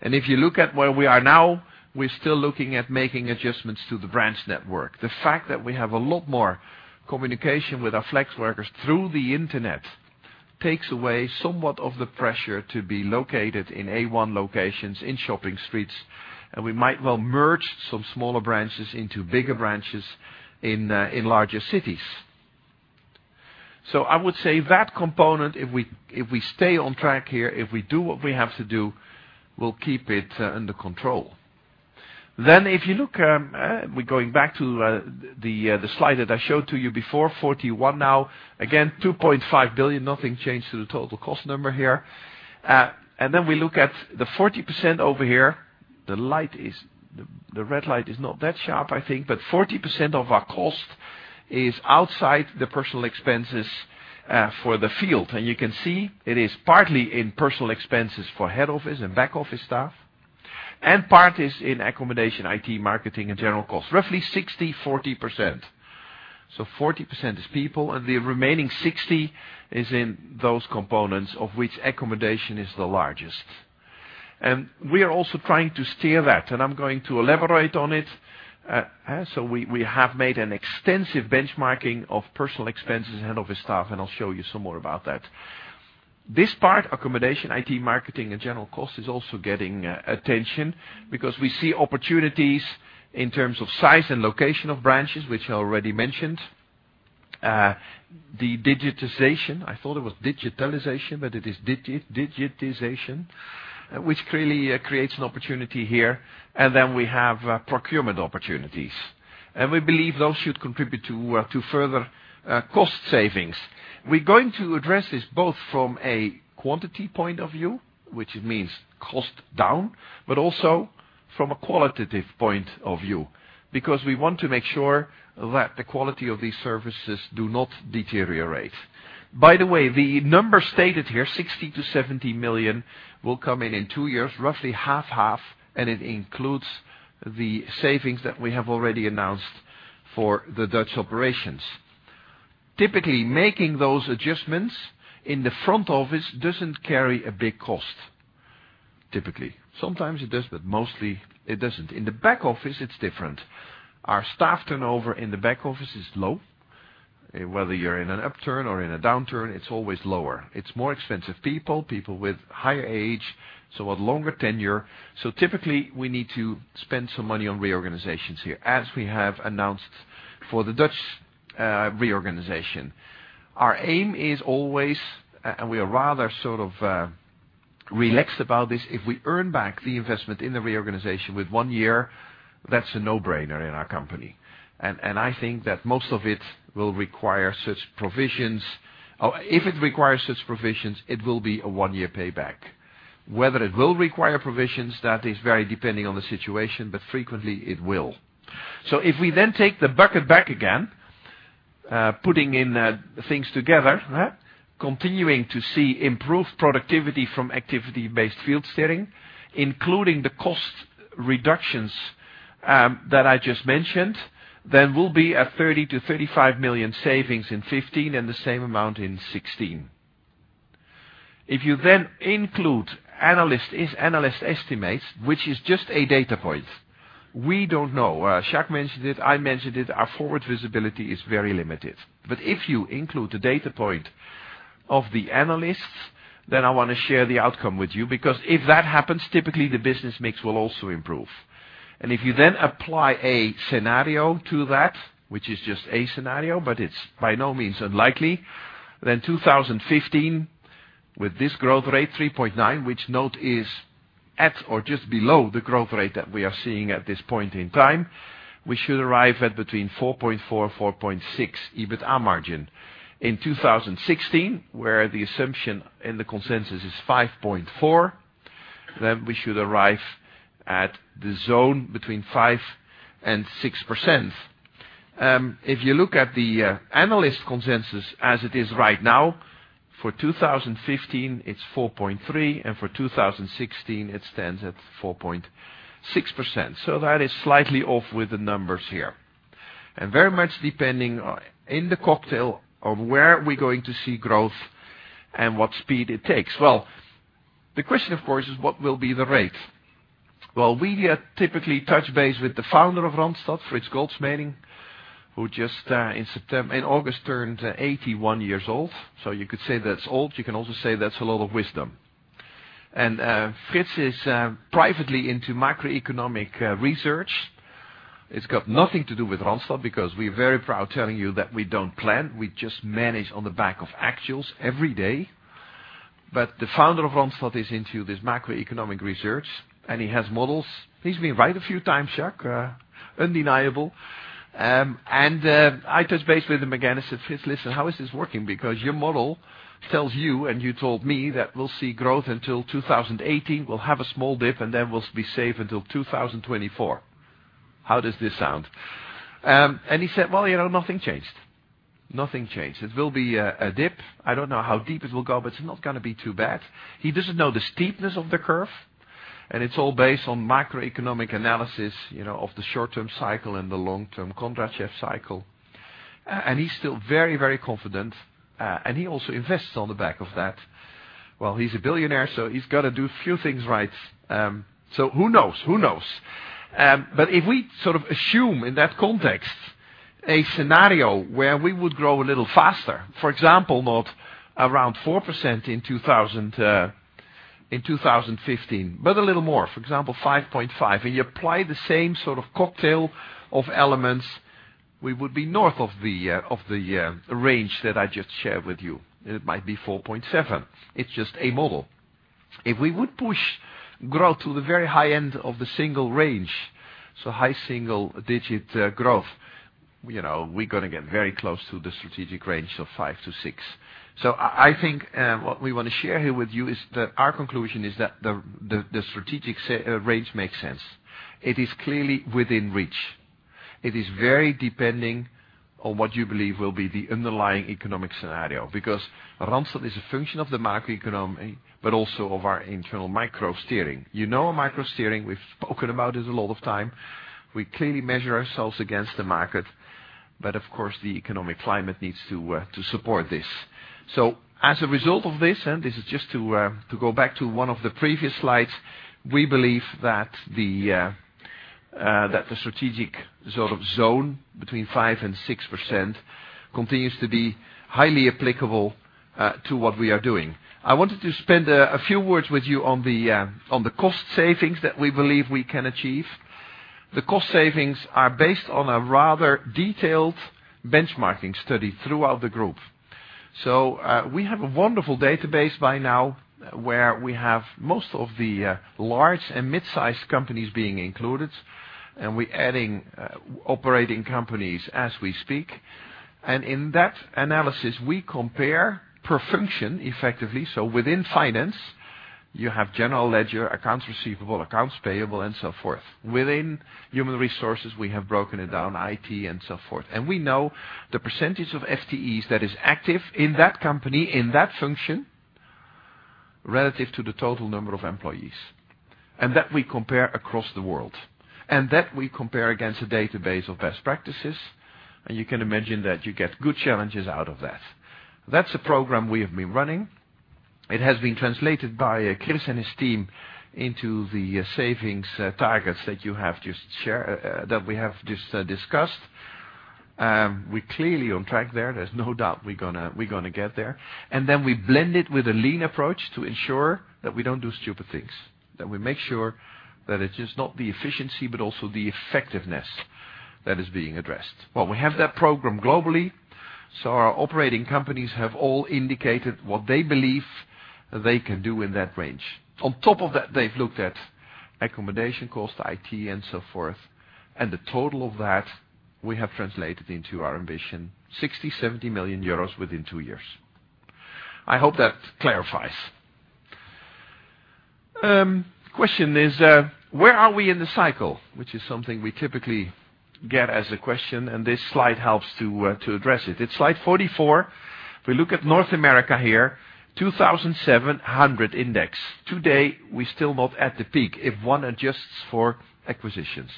D: If you look at where we are now, we're still looking at making adjustments to the branch network. The fact that we have a lot more communication with our flex workers through the internet takes away somewhat of the pressure to be located in A1 locations in shopping streets, we might well merge some smaller branches into bigger branches in larger cities. I would say that component, if we stay on track here, if we do what we have to do, we'll keep it under control. If you look, we're going back to the slide that I showed to you before, 41 now. Again, 2.5 billion, nothing changed to the total cost number here. We look at the 40% over here. The red light is not that sharp, I think. 40% of our cost is outside the personal expenses for the field. You can see it is partly in personal expenses for head office and back-office staff, and part is in accommodation, IT, marketing, and general costs, roughly 60%-40%. 40% is people, and the remaining 60% is in those components, of which accommodation is the largest. We are also trying to steer that, and I'm going to elaborate on it. We have made an extensive benchmarking of personal expenses, head office staff, and I'll show you some more about that. This part, accommodation, IT, marketing, and general cost, is also getting attention because we see opportunities in terms of size and location of branches, which I already mentioned. The digitization, I thought it was digitalization, but it is digitization, which clearly creates an opportunity here. We have procurement opportunities. We believe those should contribute to further cost savings. We're going to address this both from a quantity point of view, which means cost down, but also from a qualitative point of view, because we want to make sure that the quality of these services do not deteriorate. By the way, the number stated here, 60 million to 70 million, will come in in two years, roughly half-half, and it includes the savings that we have already announced for the Dutch operations. Typically, making those adjustments in the front office doesn't carry a big cost. Typically. Sometimes it does, but mostly it doesn't. In the back office, it's different. Our staff turnover in the back office is low. Whether you're in an upturn or in a downturn, it's always lower. It's more expensive people with higher age, so a longer tenure. Typically, we need to spend some money on reorganizations here, as we have announced for the Dutch reorganization. Our aim is always, and we are rather relaxed about this, if we earn back the investment in the reorganization with one year, that's a no-brainer in our company. I think that most of it will require such provisions. If it requires such provisions, it will be a one-year payback. Whether it will require provisions, that is very depending on the situation, but frequently it will. If we then take the bucket back again, putting in things together. Continuing to see improved productivity from activity-based field steering, including the cost reductions that I just mentioned, there will be a 30 million to 35 million savings in 2015 and the same amount in 2016. If you include analyst estimates, which is just a data point. We don't know. Jacques mentioned it, I mentioned it. Our forward visibility is very limited. If you include the data point of the analysts, then I want to share the outcome with you, because if that happens, typically the business mix will also improve. If you apply a scenario to that, which is just a scenario, but it's by no means unlikely, then 2015, with this growth rate, 3.9%, which note is at or just below the growth rate that we are seeing at this point in time, we should arrive at between 4.4% or 4.6% EBITDA margin. In 2016, where the assumption in the consensus is 5.4, then we should arrive at the zone between 5% and 6%. If you look at the analyst consensus as it is right now, for 2015, it's 4.3, and for 2016, it stands at 4.6%. That is slightly off with the numbers here. Very much depending in the cocktail of where we're going to see growth and what speed it takes. The question, of course, is what will be the rate? We typically touch base with the founder of Randstad, Frits Goldschmeding, who just in August turned 81 years old. You could say that's old. You can also say that's a lot of wisdom. Frits is privately into macroeconomic research. It's got nothing to do with Randstad because we're very proud telling you that we don't plan. We just manage on the back of actuals every day. The founder of Randstad is into this macroeconomic research, and he has models. He's been right a few times, Jacques. Undeniable. I touched base with him again. I said, "Frits, listen, how is this working? Because your model tells you, and you told me that we'll see growth until 2018. We'll have a small dip, and then we'll be safe until 2024. How does this sound?" He said, "Nothing changed. Nothing changed. It will be a dip. I don't know how deep it will go, but it's not going to be too bad." He doesn't know the steepness of the curve, and it's all based on macroeconomic analysis of the short-term cycle and the long-term Kondratiev cycle. He's still very, very confident, and he also invests on the back of that. He's a billionaire, so he's got to do a few things right. Who knows? If we sort of assume in that context, a scenario where we would grow a little faster, for example, not around 4% in 2015, but a little more, for example, 5.5, and you apply the same sort of cocktail of elements, we would be north of the range that I just shared with you. It might be 4.7. It's just a model. If we would push growth to the very high end of the single range, so high single-digit growth, we're going to get very close to the strategic range of five to six. I think what we want to share here with you is that our conclusion is that the strategic range makes sense. It is clearly within reach. It is very dependent on what you believe will be the underlying economic scenario, because Randstad is a function of the market economy, but also of our internal micro-steering. You know our micro-steering. We've spoken about it a lot of time. We clearly measure ourselves against the market, but of course, the economic climate needs to support this. As a result of this, and this is just to go back to one of the previous slides, we believe that the strategic sort of zone between 5% and 6% continues to be highly applicable to what we are doing. I wanted to spend a few words with you on the cost savings that we believe we can achieve. The cost savings are based on a rather detailed benchmarking study throughout the group. We have a wonderful database by now where we have most of the large and mid-sized companies being included, and we're adding operating companies as we speak. In that analysis, we compare per function effectively. Within finance, you have general ledger, accounts receivable, accounts payable, and so forth. Within human resources, we have broken it down, IT, and so forth. We know the percentage of FTEs that is active in that company, in that function, relative to the total number of employees. That we compare across the world, and that we compare against a database of best practices, and you can imagine that you get good challenges out of that. That's a program we have been running. It has been translated by Chris and his team into the savings targets that we have just discussed. We're clearly on track there. There's no doubt we're going to get there. We blend it with a lean approach to ensure that we don't do stupid things, that we make sure that it is not the efficiency, but also the effectiveness that is being addressed. Well, we have that program globally, so our operating companies have all indicated what they believe they can do in that range. On top of that, they've looked at accommodation cost, IT, and so forth. The total of that, we have translated into our ambition, 60 million-70 million euros within 2 years. I hope that clarifies. Question is, where are we in the cycle? Which is something we typically get as a question, and this slide helps to address it. It's slide 44. If we look at North America here, 2,700 index. To date, we're still not at the peak if one adjusts for acquisitions.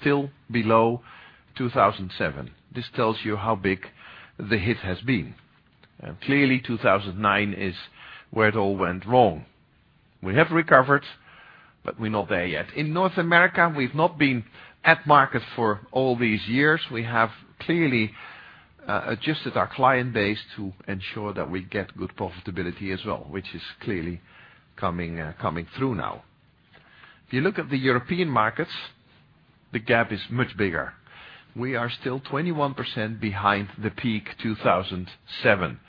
D: Still below 2007. This tells you how big the hit has been. Clearly, 2009 is where it all went wrong. We have recovered, but we're not there yet. In North America, we've not been at market for all these years. We have clearly adjusted our client base to ensure that we get good profitability as well, which is clearly coming through now. If you look at the European markets, the gap is much bigger. We are still 21% behind the peak 2007.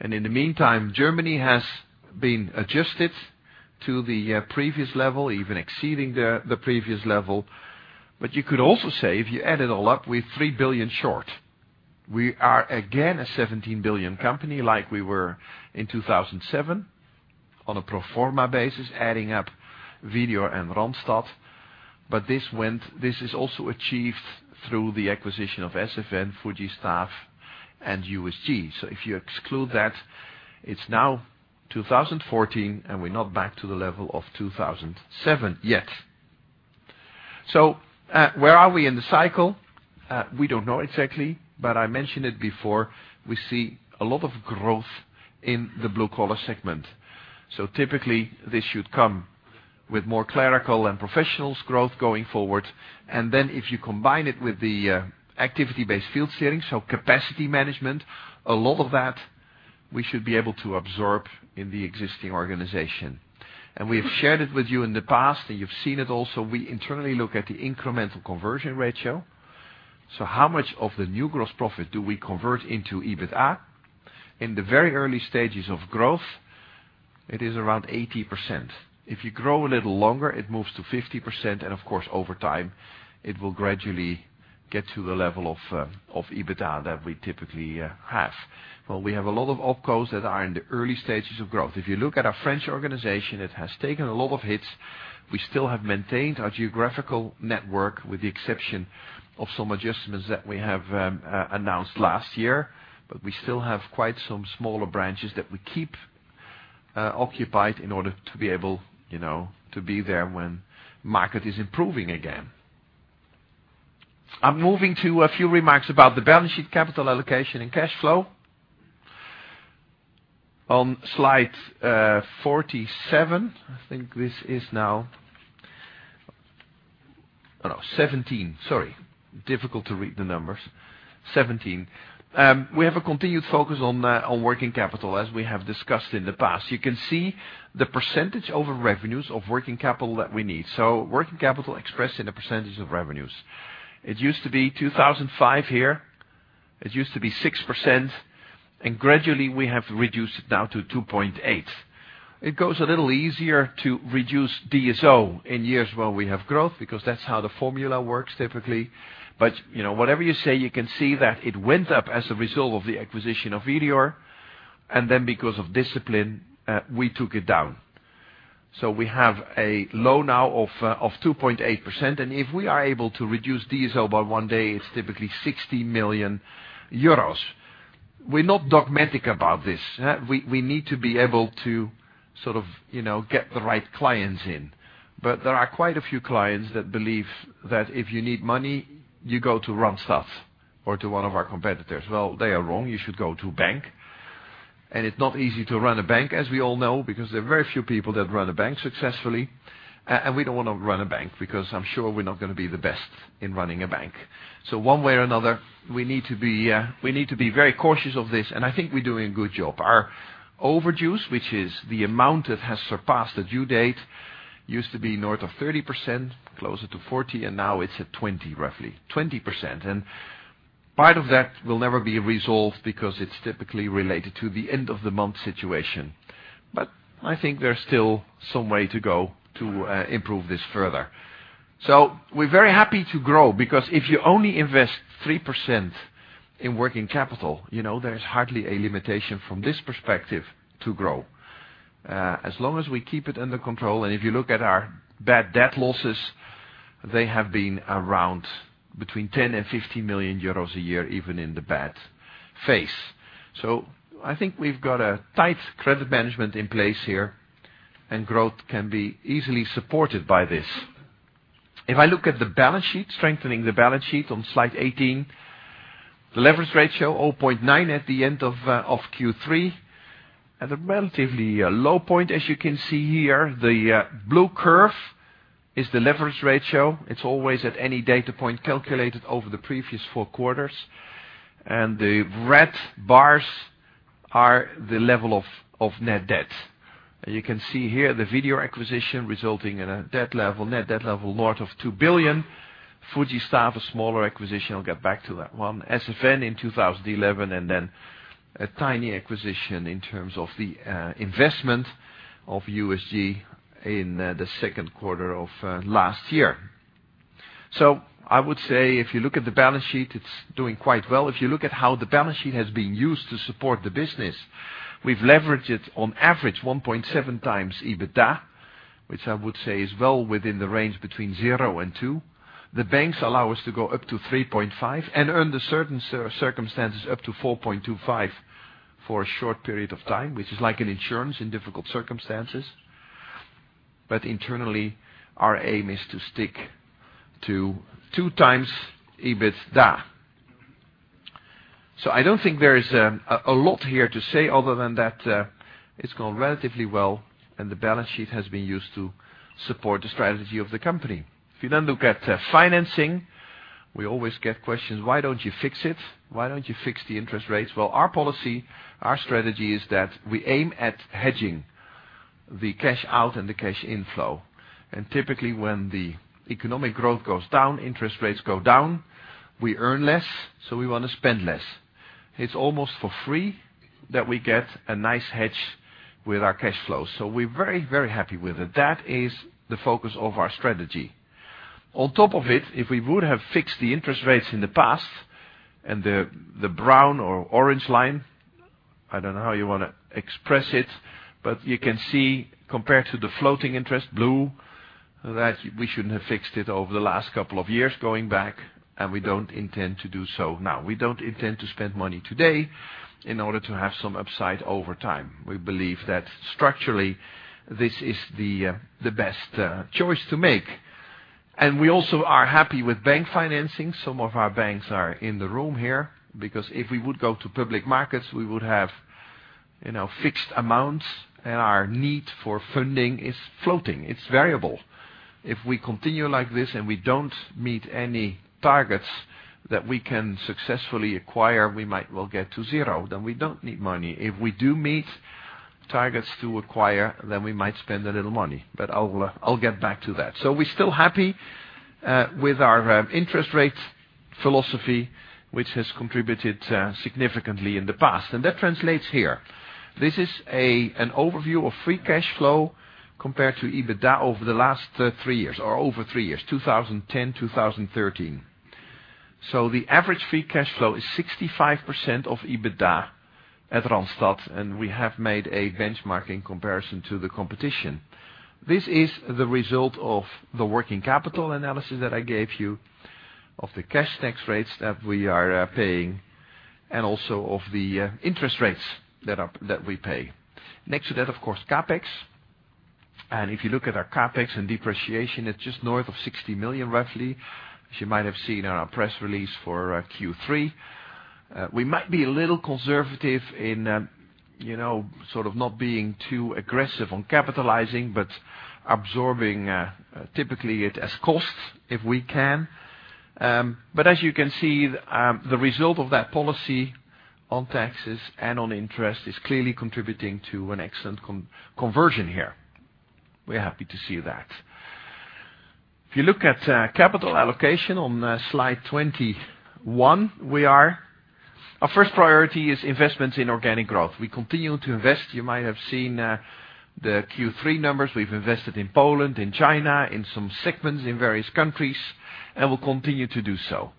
D: In the meantime, Germany has been adjusted to the previous level, even exceeding the previous level. You could also say, if you add it all up, we're 3 billion short. We are again a 17 billion company like we were in 2007 on a pro forma basis, adding up Vedior and Randstad. This is also achieved through the acquisition of SFN, Fujistaff, and USG. If you exclude that, it's now 2014, and we're not back to the level of 2007 yet. Where are we in the cycle? We don't know exactly, but I mentioned it before. We see a lot of growth in the blue-collar segment. Typically, this should come with more clerical and professionals growth going forward. If you combine it with the activity-based field steering, so capacity management, a lot of that we should be able to absorb in the existing organization. We've shared it with you in the past, and you've seen it also. We internally look at the incremental conversion ratio. How much of the new gross profit do we convert into EBITDA? In the very early stages of growth, it is around 80%. If you grow a little longer, it moves to 50%, and of course, over time, it will gradually get to the level of EBITDA that we typically have. We have a lot of opcos that are in the early stages of growth. If you look at our French organization, it has taken a lot of hits. We still have maintained our geographical network with the exception of some adjustments that we have announced last year. We still have quite some smaller branches that we keep occupied in order to be able to be there when market is improving again. I'm moving to a few remarks about the balance sheet, capital allocation, and cash flow. On slide 47, I think this is now Oh, no, 17. Sorry. Difficult to read the numbers. 17. We have a continued focus on working capital, as we have discussed in the past. You can see the percentage over revenues of working capital that we need. Working capital expressed in a percentage of revenues. It used to be 2005 here. It used to be 6%, and gradually we have reduced it down to 2.8%. It goes a little easier to reduce DSO in years where we have growth, because that's how the formula works typically. Whatever you say, you can see that it went up as a result of the acquisition of Vedior, and then because of discipline, we took it down. We have a low now of 2.8%, and if we are able to reduce DSO by one day, it's typically 60 million euros. We're not dogmatic about this. We need to be able to sort of get the right clients in. There are quite a few clients that believe that if you need money, you go to Randstad or to one of our competitors. Well, they are wrong. You should go to bank. It's not easy to run a bank, as we all know, because there are very few people that run a bank successfully, and we don't want to run a bank because I'm sure we're not going to be the best in running a bank. One way or another, we need to be very cautious of this, and I think we're doing a good job. Our overdues, which is the amount that has surpassed the due date, used to be north of 30%, closer to 40%, and now it's at 20%, roughly. 20%. Part of that will never be resolved because it's typically related to the end-of-the-month situation. I think there's still some way to go to improve this further. We're very happy to grow because if you only invest 3% in working capital, there's hardly a limitation from this perspective to grow. As long as we keep it under control, and if you look at our bad debt losses, they have been around between 10 million-50 million euros a year, even in the bad phase. I think we've got a tight credit management in place here, and growth can be easily supported by this. If I look at the balance sheet, strengthening the balance sheet on slide 18, the leverage ratio, 0.9 at the end of Q3, at a relatively low point as you can see here. The blue curve is the leverage ratio. It's always at any data point calculated over the previous four quarters. The red bars are the level of net debt. You can see here the Vedior acquisition resulting in a net debt level north of 2 billion. Fujistaff, a smaller acquisition, I'll get back to that one. SFN in 2011, then a tiny acquisition in terms of the investment of USG in the second quarter of last year. I would say if you look at the balance sheet, it's doing quite well. If you look at how the balance sheet has been used to support the business, we've leveraged it on average 1.7 times EBITDA, which I would say is well within the range between zero and two. The banks allow us to go up to 3.5 and under certain circumstances up to 4.25 for a short period of time, which is like an insurance in difficult circumstances. Internally, our aim is to stick to two times EBITDA. I don't think there is a lot here to say other than that it's gone relatively well, and the balance sheet has been used to support the strategy of the company. If you look at financing, we always get questions, "Why don't you fix it? Why don't you fix the interest rates?" Our policy, our strategy is that we aim at hedging the cash out and the cash inflow. Typically, when the economic growth goes down, interest rates go down. We earn less, so we want to spend less. It's almost for free that we get a nice hedge with our cash flow. We're very, very happy with it. That is the focus of our strategy. On top of it, if we would have fixed the interest rates in the past and the brown or orange line, I don't know how you want to express it, but you can see compared to the floating interest, blue, that we shouldn't have fixed it over the last couple of years going back, and we don't intend to do so now. We don't intend to spend money today in order to have some upside over time. We believe that structurally, this is the best choice to make. We also are happy with bank financing. Some of our banks are in the room here, because if we would go to public markets, we would have fixed amounts, and our need for funding is floating. It's variable. If we continue like this and we don't meet any targets that we can successfully acquire, we might well get to zero, then we don't need money. If we do meet targets to acquire, then we might spend a little money, but I'll get back to that. We're still happy with our interest rate philosophy, which has contributed significantly in the past, and that translates here. This is an overview of free cash flow compared to EBITDA over the last three years, or over three years, 2010, 2013. The average free cash flow is 65% of EBITDA at Randstad, and we have made a benchmarking comparison to the competition. This is the result of the working capital analysis that I gave you. Of the cash tax rates that we are paying and also of the interest rates that we pay. Next to that, of course, CapEx. If you look at our CapEx and depreciation, it is just north of 60 million roughly. As you might have seen on our press release for Q3, we might be a little conservative in sort of not being too aggressive on capitalizing, but absorbing, typically, it as costs if we can. As you can see, the result of that policy on taxes and on interest is clearly contributing to an excellent conversion here. We are happy to see that. If you look at capital allocation on slide 21, our first priority is investments in organic growth. We continue to invest. You might have seen the Q3 numbers. We have invested in Poland, in China, in some segments in various countries, and we will continue to do so.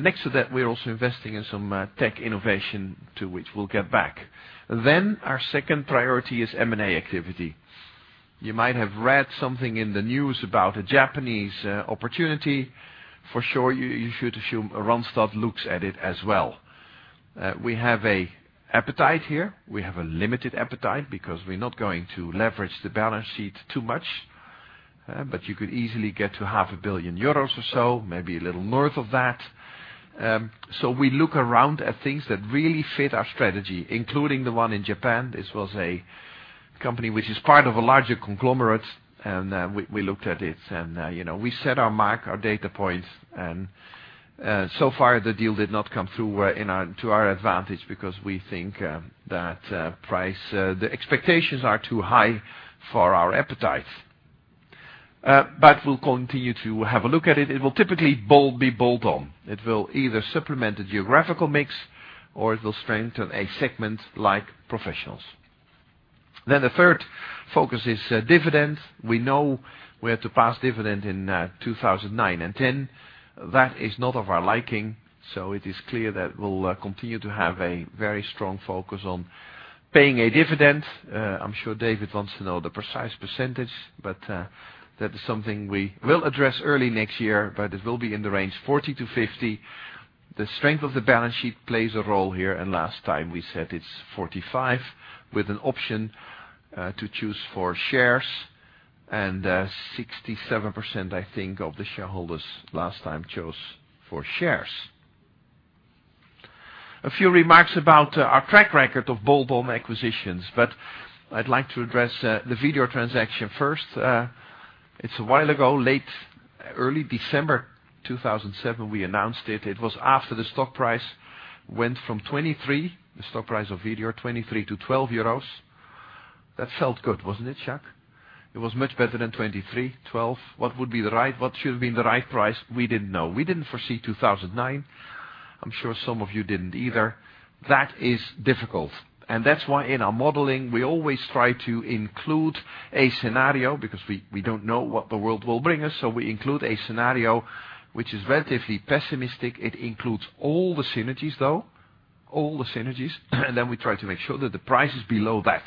D: Next to that, we are also investing in some tech innovation, to which we will get back. Our second priority is M&A activity. You might have read something in the news about a Japanese opportunity. For sure, you should assume Randstad looks at it as well. We have an appetite here. We have a limited appetite because we are not going to leverage the balance sheet too much. You could easily get to half a billion EUR or so, maybe a little north of that. We look around at things that really fit our strategy, including the one in Japan. This was a company which is part of a larger conglomerate, and we looked at it. We set our mark, our data points, and so far the deal did not come through to our advantage because we think that the expectations are too high for our appetite. We will continue to have a look at it. It will typically be bolt-on. It will either supplement the geographical mix or it will strengthen a segment like professionals. The third focus is dividends. We know we had to pass dividend in 2009 and 2010. That is not of our liking. It is clear that we will continue to have a very strong focus on paying a dividend. I am sure David wants to know the precise percentage, but that is something we will address early next year, but it will be in the range 40%-50%. The strength of the balance sheet plays a role here, and last time we said it is 45% with an option to choose for shares, and 67%, I think, of the shareholders last time chose for shares. A few remarks about our track record of bolt-on acquisitions, but I would like to address the Vedior transaction first. It is a while ago, early December 2007, we announced it. It was after the stock price went from 23, the stock price of Vedior, 23 to 12 euros. That felt good, wasn't it, Chuck? It was much better than 23. 12. What should have been the right price? We did not know. We did not foresee 2009. I am sure some of you did not either. That is difficult. That is why in our modeling, we always try to include a scenario because we do not know what the world will bring us. We include a scenario which is relatively pessimistic. It includes all the synergies, though. All the synergies. Then we try to make sure that the price is below that.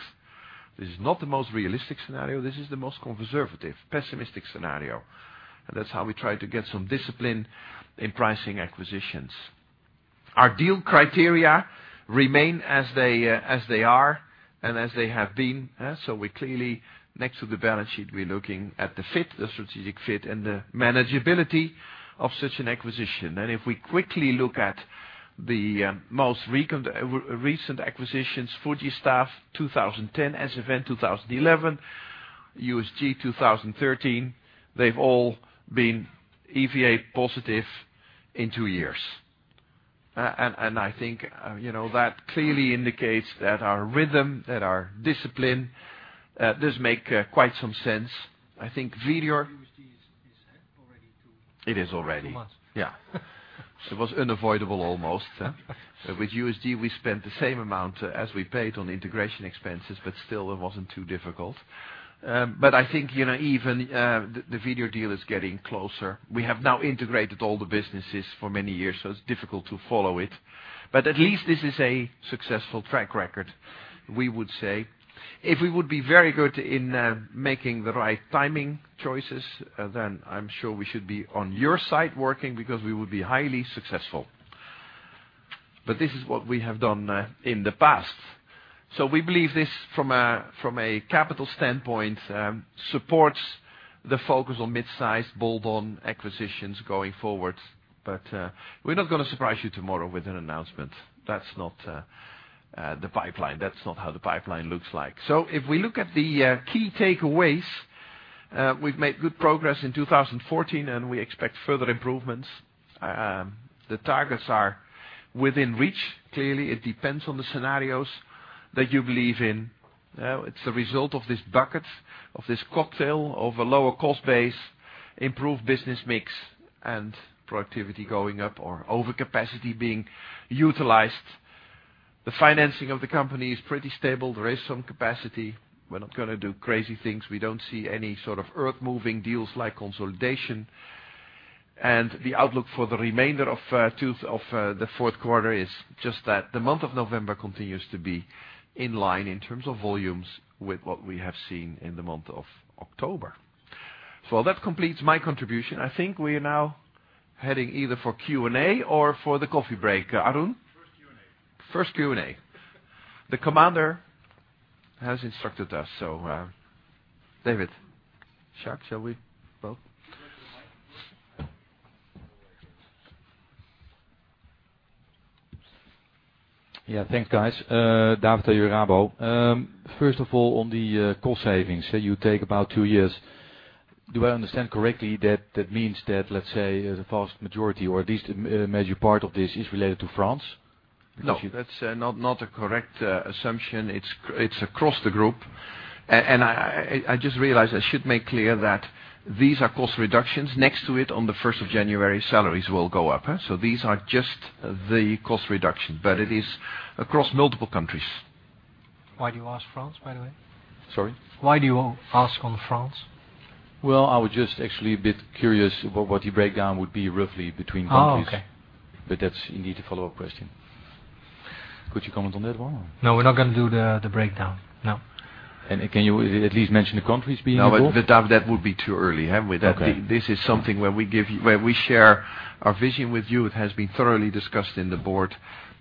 D: This is not the most realistic scenario. This is the most conservative, pessimistic scenario. That is how we try to get some discipline in pricing acquisitions. Our deal criteria remain as they are and as they have been. We're clearly, next to the balance sheet, we're looking at the fit, the strategic fit, and the manageability of such an acquisition. If we quickly look at the most recent acquisitions, Fujistaff, 2010. SFN, 2011. USG, 2013. They've all been EVA positive in two years. I think that clearly indicates that our rhythm, that our discipline does make quite some sense. I think Vedior.
A: USG is already two months.
D: It is already. Yeah. It was unavoidable almost. With USG, we spent the same amount as we paid on integration expenses, but still it wasn't too difficult. I think even the Vedior deal is getting closer. We have now integrated all the businesses for many years, so it's difficult to follow it. At least this is a successful track record, we would say. If we would be very good in making the right timing choices, I'm sure we should be on your side working because we would be highly successful. This is what we have done in the past. We believe this, from a capital standpoint, supports the focus on mid-size bolt-on acquisitions going forward. We're not going to surprise you tomorrow with an announcement. That's not the pipeline. That's not how the pipeline looks like. If we look at the key takeaways, we've made good progress in 2014 and we expect further improvements. The targets are within reach. Clearly, it depends on the scenarios that you believe in. It's a result of this bucket, of this cocktail of a lower cost base, improved business mix, and productivity going up or over capacity being utilized. The financing of the company is pretty stable. There is some capacity. We're not going to do crazy things. We don't see any sort of earth-moving deals like consolidation. The outlook for the remainder of the fourth quarter is just that the month of November continues to be in line in terms of volumes with what we have seen in the month of October. That completes my contribution. I think we are now heading either for Q&A or for the coffee break. Arun?
A: First Q&A. The commander has instructed us. David. Jacques, shall we both?
E: Go to the mic.
F: Thanks, guys. David at Rabobank. First of all, on the cost savings, you take about two years. Do I understand correctly that means that, let's say, the vast majority or at least a major part of this is related to France?
A: No, that's not a correct assumption. It's across the group. I just realized I should make clear that these are cost reductions. Next to it, on the 1st of January, salaries will go up. These are just the cost reductions, but it is across multiple countries. Why do you ask France, by the way? Sorry? Why do you ask on France?
F: Well, I was just actually a bit curious what the breakdown would be, roughly, between countries.
A: Oh, okay.
F: That's indeed a follow-up question.
A: Could you comment on that one? No, we're not going to do the breakdown. No.
F: Can you at least mention the countries being involved?
A: No, David, that would be too early.
F: Okay.
A: This is something where we share our vision with you. It has been thoroughly discussed in the board,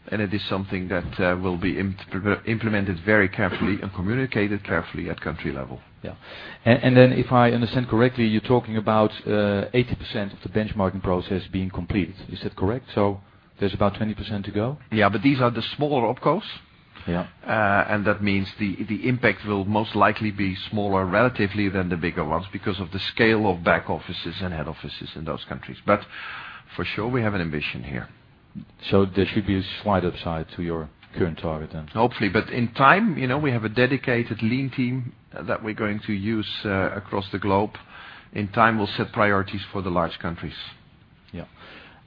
A: and it is something that will be implemented very carefully and communicated carefully at country level.
F: If I understand correctly, you're talking about 80% of the benchmarking process being completed. Is that correct? There's about 20% to go?
A: Yeah, these are the smaller opcos.
F: Yeah.
A: That means the impact will most likely be smaller relatively than the bigger ones because of the scale of back offices and head offices in those countries. For sure, we have an ambition here.
F: There should be a slight upside to your current target.
A: Hopefully, in time. We have a dedicated lean team that we're going to use across the globe. In time, we'll set priorities for the large countries.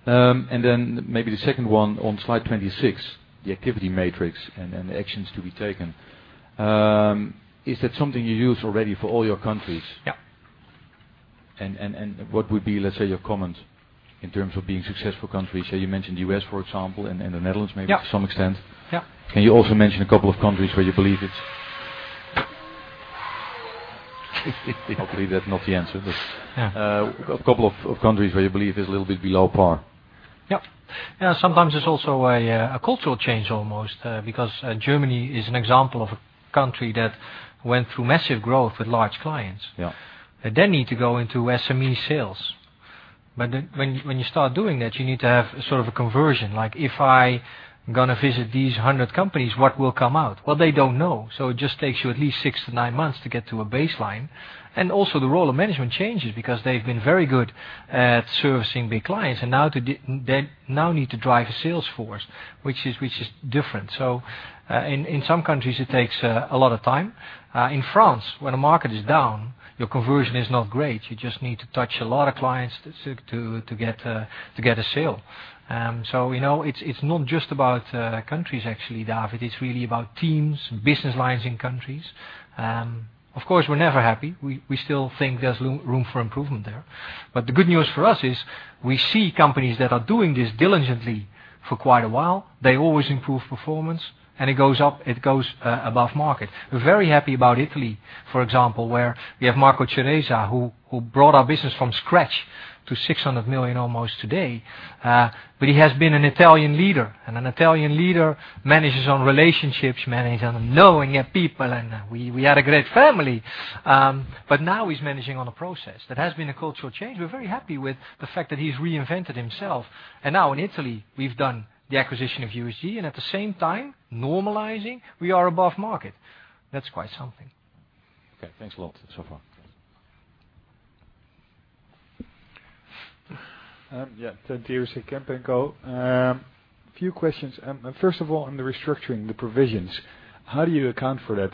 F: Yeah. Then maybe the second one on slide 26, the activity matrix and the actions to be taken. Is that something you use already for all your countries?
A: Yeah.
F: What would be, let's say, your comment in terms of being successful countries? You mentioned U.S., for example, and the Netherlands maybe to some extent.
A: Yeah.
F: Can you also mention a couple of countries where you believe it's Hopefully, that's not the answer.
A: Yeah.
F: A couple of countries where you believe it's a little bit below par.
A: Yeah. Sometimes it's also a cultural change almost, because Germany is an example of a country that went through massive growth with large clients.
F: Yeah.
A: They then need to go into SME sales. When you start doing that, you need to have sort of a conversion. Like, if I going to visit these 100 companies, what will come out? Well, they don't know. It just takes you at least six to nine months to get to a baseline. Also the role of management changes because they've been very good at servicing big clients, and now they need to drive a sales force, which is different. In some countries, it takes a lot of time. In France, when a market is down, your conversion is not great. You just need to touch a lot of clients to get a sale. It's not just about countries actually, David. It's really about teams and business lines in countries. Of course, we're never happy. We still think there's room for improvement there. The good news for us is we see companies that are doing this diligently for quite a while. They always improve performance, and it goes up, it goes above market. We're very happy about Italy, for example, where we have Marco Ceresa, who brought our business from scratch to 600 million almost today. He has been an Italian leader, and an Italian leader manages on relationships, manage on knowing your people, and we had a great family. Now he's managing on a process. That has been a cultural change. We're very happy with the fact that he's reinvented himself. Now in Italy, we've done the acquisition of USG, and at the same time normalizing, we are above market. That's quite something.
F: Okay, thanks a lot so far.
G: Yeah. Few questions. First of all, on the restructuring, the provisions. How do you account for that?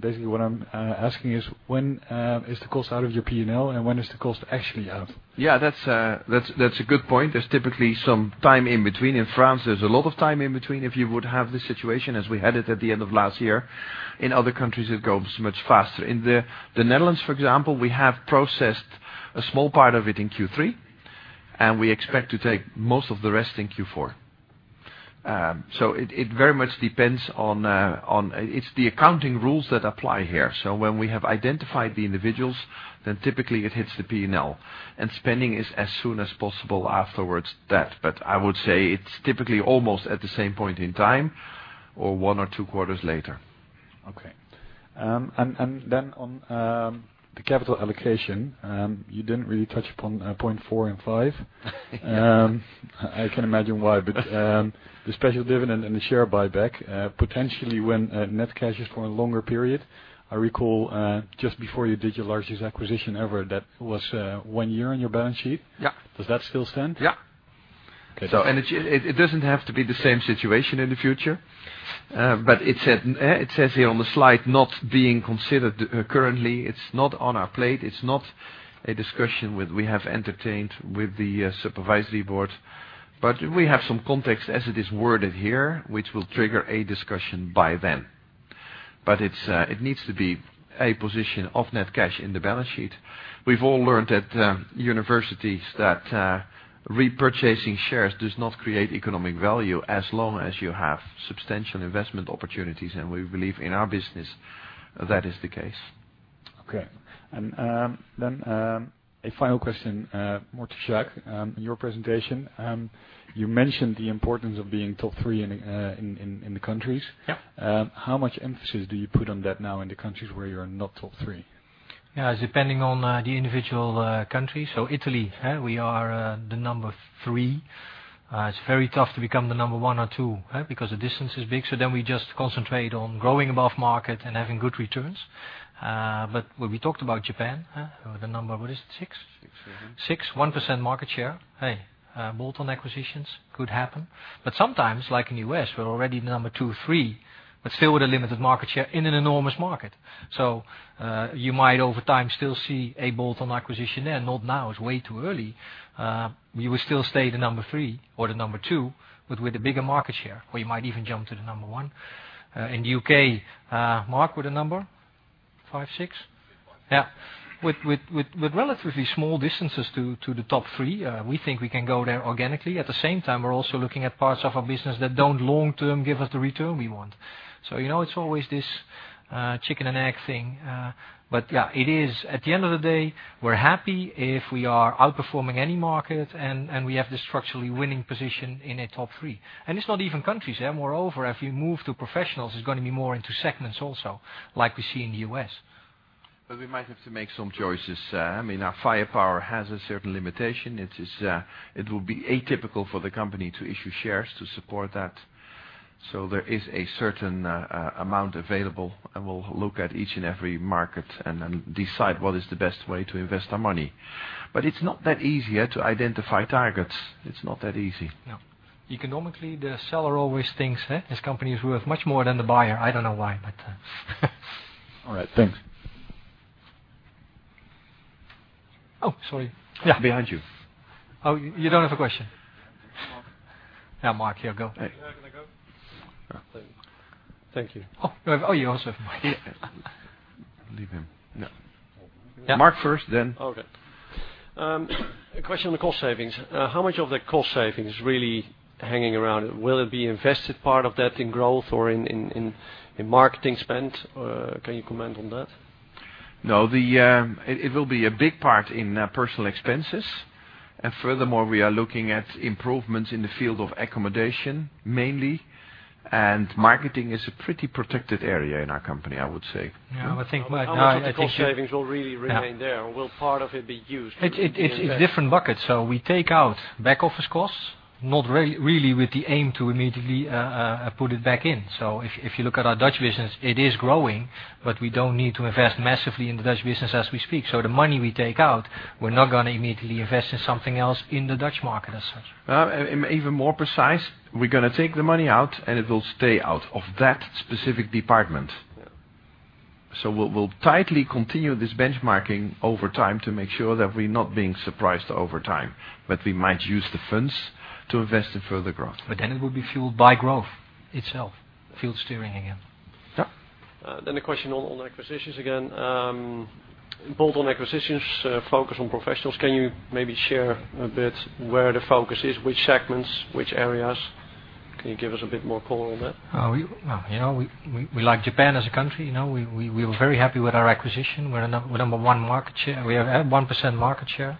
G: Basically what I'm asking is when is the cost out of your P&L and when is the cost actually out?
A: Yeah, that's a good point. There's typically some time in between. In France, there's a lot of time in between, if you would have the situation as we had it at the end of last year. In other countries, it goes much faster. In the Netherlands, for example, we have processed a small part of it in Q3, and we expect to take most of the rest in Q4. It very much depends on It's the accounting rules that apply here. When we have identified the individuals, then typically it hits the P&L. Spending is as soon as possible afterwards that. I would say it's typically almost at the same point in time or one or two quarters later.
G: Okay. Then on the capital allocation, you didn't really touch upon point four and five. I can imagine why. The special dividend and the share buyback, potentially when net cash is for a longer period. I recall, just before you did your largest acquisition ever, that was one year on your balance sheet.
A: Yeah.
G: Does that still stand?
A: Yeah.
G: Okay.
A: It doesn't have to be the same situation in the future. It says here on the slide, not being considered currently. It's not on our plate. It's not a discussion we have entertained with the supervisory board. We have some context as it is worded here, which will trigger a discussion by then. It needs to be a position of net cash in the balance sheet. We've all learned at universities that repurchasing shares does not create economic value as long as you have substantial investment opportunities, and we believe in our business that is the case.
G: Okay. A final question, more to Jacques. In your presentation, you mentioned the importance of being top three in the countries.
A: Yeah.
G: How much emphasis do you put on that now in the countries where you're not top three?
A: Yeah. Depending on the individual country. Italy, we are the number 3. It's very tough to become the number 1 or 2, because the distance is big. We just concentrate on growing above market and having good returns. When we talked about Japan, we're the number, what is it, 6?
D: Six.
A: Six, 1% market share. Bolt-on acquisitions could happen. Sometimes, like in U.S., we're already number 2 or 3, but still with a limited market share in an enormous market. You might, over time, still see a bolt-on acquisition there. Not now, it's way too early. We would still stay the number 3 or the number 2, but with a bigger market share. We might even jump to the number 1. In U.K., Mark, we're the number 5, 6?
D: Five.
A: Yeah. With relatively small distances to the top 3, we think we can go there organically. At the same time, we're also looking at parts of our business that don't long-term give us the return we want. It's always this chicken and egg thing. Yeah, it is at the end of the day, we're happy if we are outperforming any market and we have the structurally winning position in a top 3. It's not even countries. Moreover, if you move to professionals, it's going to be more into segments also, like we see in the U.S.
D: We might have to make some choices. Our firepower has a certain limitation. It will be atypical for the company to issue shares to support that. There is a certain amount available, we'll look at each and every market and then decide what is the best way to invest our money. It's not that easy yet to identify targets. It's not that easy.
A: Yeah. Economically, the seller always thinks his company is worth much more than the buyer. I don't know why, but
G: All right. Thanks.
A: Sorry. Yeah.
D: Behind you.
A: Oh, you don't have a question. Yeah, Mark, here you go.
H: Can I go? Thank you.
A: Oh, you also have a mic.
D: Leave him. No. Mark first, then.
H: Okay. A question on the cost savings. How much of the cost savings really hanging around? Will it be invested part of that in growth or in marketing spend? Can you comment on that?
D: No, it will be a big part in personal expenses. Furthermore, we are looking at improvements in the field of accommodation, mainly. Marketing is a pretty protected area in our company, I would say.
A: Yeah, I think-
H: How much of the cost savings will really remain there? Will part of it be used for investing?
A: We take out back office costs, not really with the aim to immediately put it back in. If you look at our Dutch business, it is growing, but we don't need to invest massively in the Dutch business as we speak. The money we take out, we're not going to immediately invest in something else in the Dutch market as such.
D: Even more precise, we're going to take the money out, and it will stay out of that specific department.
A: Yeah.
D: We'll tightly continue this benchmarking over time to make sure that we're not being surprised over time. We might use the funds to invest in further growth.
A: It will be fueled by growth itself. Field steering again.
D: Yeah.
H: A question on acquisitions again. Bolt-on acquisitions focus on professionals. Can you maybe share a bit where the focus is, which segments, which areas? Can you give us a bit more color on that?
A: We like Japan as a country. We were very happy with our acquisition. We have 1% market share.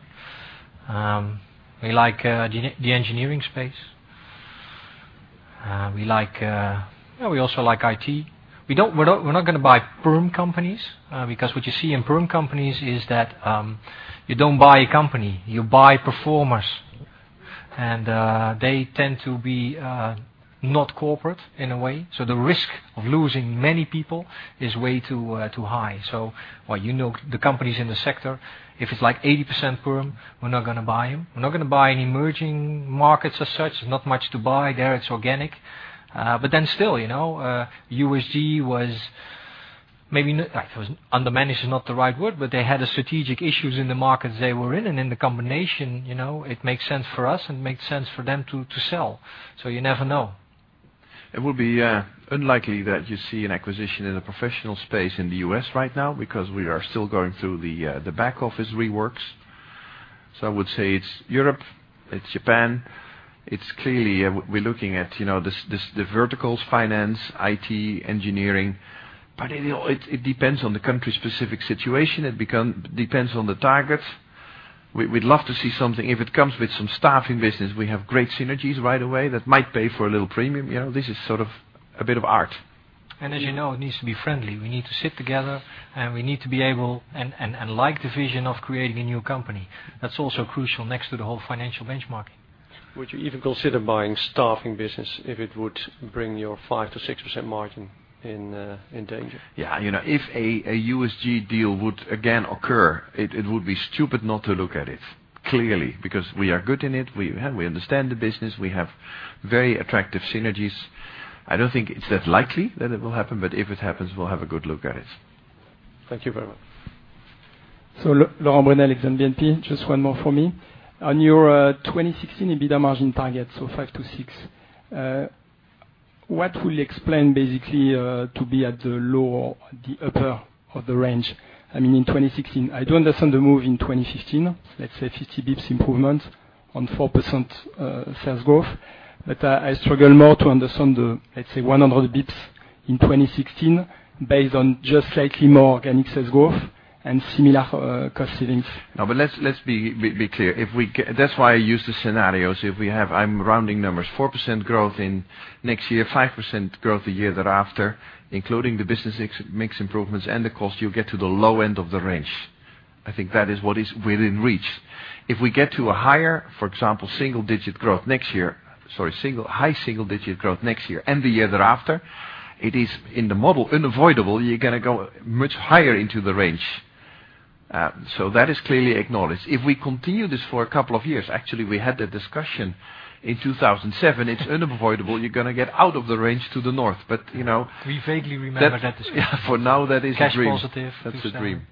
A: We like the engineering space. We also like IT. We're not going to buy perm companies, because what you see in perm companies is that, you don't buy a company, you buy performers. They tend to be not corporate in a way. The risk of losing many people is way too high. So, you know the companies in the sector, if it's like 80% perm, we're not going to buy them. We're not going to buy any emerging markets as such. Not much to buy there. It's organic. Still, USG was maybe, undermanaged is not the right word, but they had strategic issues in the markets they were in. The combination, it makes sense for us and makes sense for them to sell. You never know.
D: It would be unlikely that you see an acquisition in the professional space in the U.S. right now because we are still going through the back office reworks. I would say it's Europe, it's Japan. It's clearly we're looking at the verticals, finance, IT, engineering. It depends on the country's specific situation. It depends on the targets. We'd love to see something. If it comes with some staffing business, we have great synergies right away that might pay for a little premium. This is sort of a bit of art.
A: As you know, it needs to be friendly. We need to sit together, and we need to be able and like the vision of creating a new company. That's also crucial next to the whole financial benchmarking.
H: Would you even consider buying staffing business if it would bring your 5%-6% margin in danger?
D: If a USG deal would again occur, it would be stupid not to look at it, clearly. We are good in it. We understand the business. We have very attractive synergies. I don't think it's that likely that it will happen, but if it happens, we'll have a good look at it.
H: Thank you very much.
I: Laurent Brunet with BNP. Just one more for me. On your 2016 EBITDA margin target, 5%-6%. What will explain basically to be at the lower or the upper of the range? In 2016, I do understand the move in 2015, let's say 50 basis points improvement. On 4% sales growth. I struggle more to understand the, let's say, 100 basis points in 2016 based on just slightly more organic sales growth and similar cost savings.
D: Let's be clear. That's why I use the scenarios. I'm rounding numbers, 4% growth in next year, 5% growth the year thereafter, including the business mix improvements and the cost, you'll get to the low end of the range. I think that is what is within reach. If we get to a higher, for example, high single-digit growth next year and the year thereafter, it is, in the model, unavoidable you're going to go much higher into the range. That is clearly acknowledged. If we continue this for a couple of years, actually, we had that discussion in 2007, it's unavoidable you're going to get out of the range to the north.
A: We vaguely remember that discussion.
D: For now, that is a dream.
A: Cash positive.
D: That's a dream.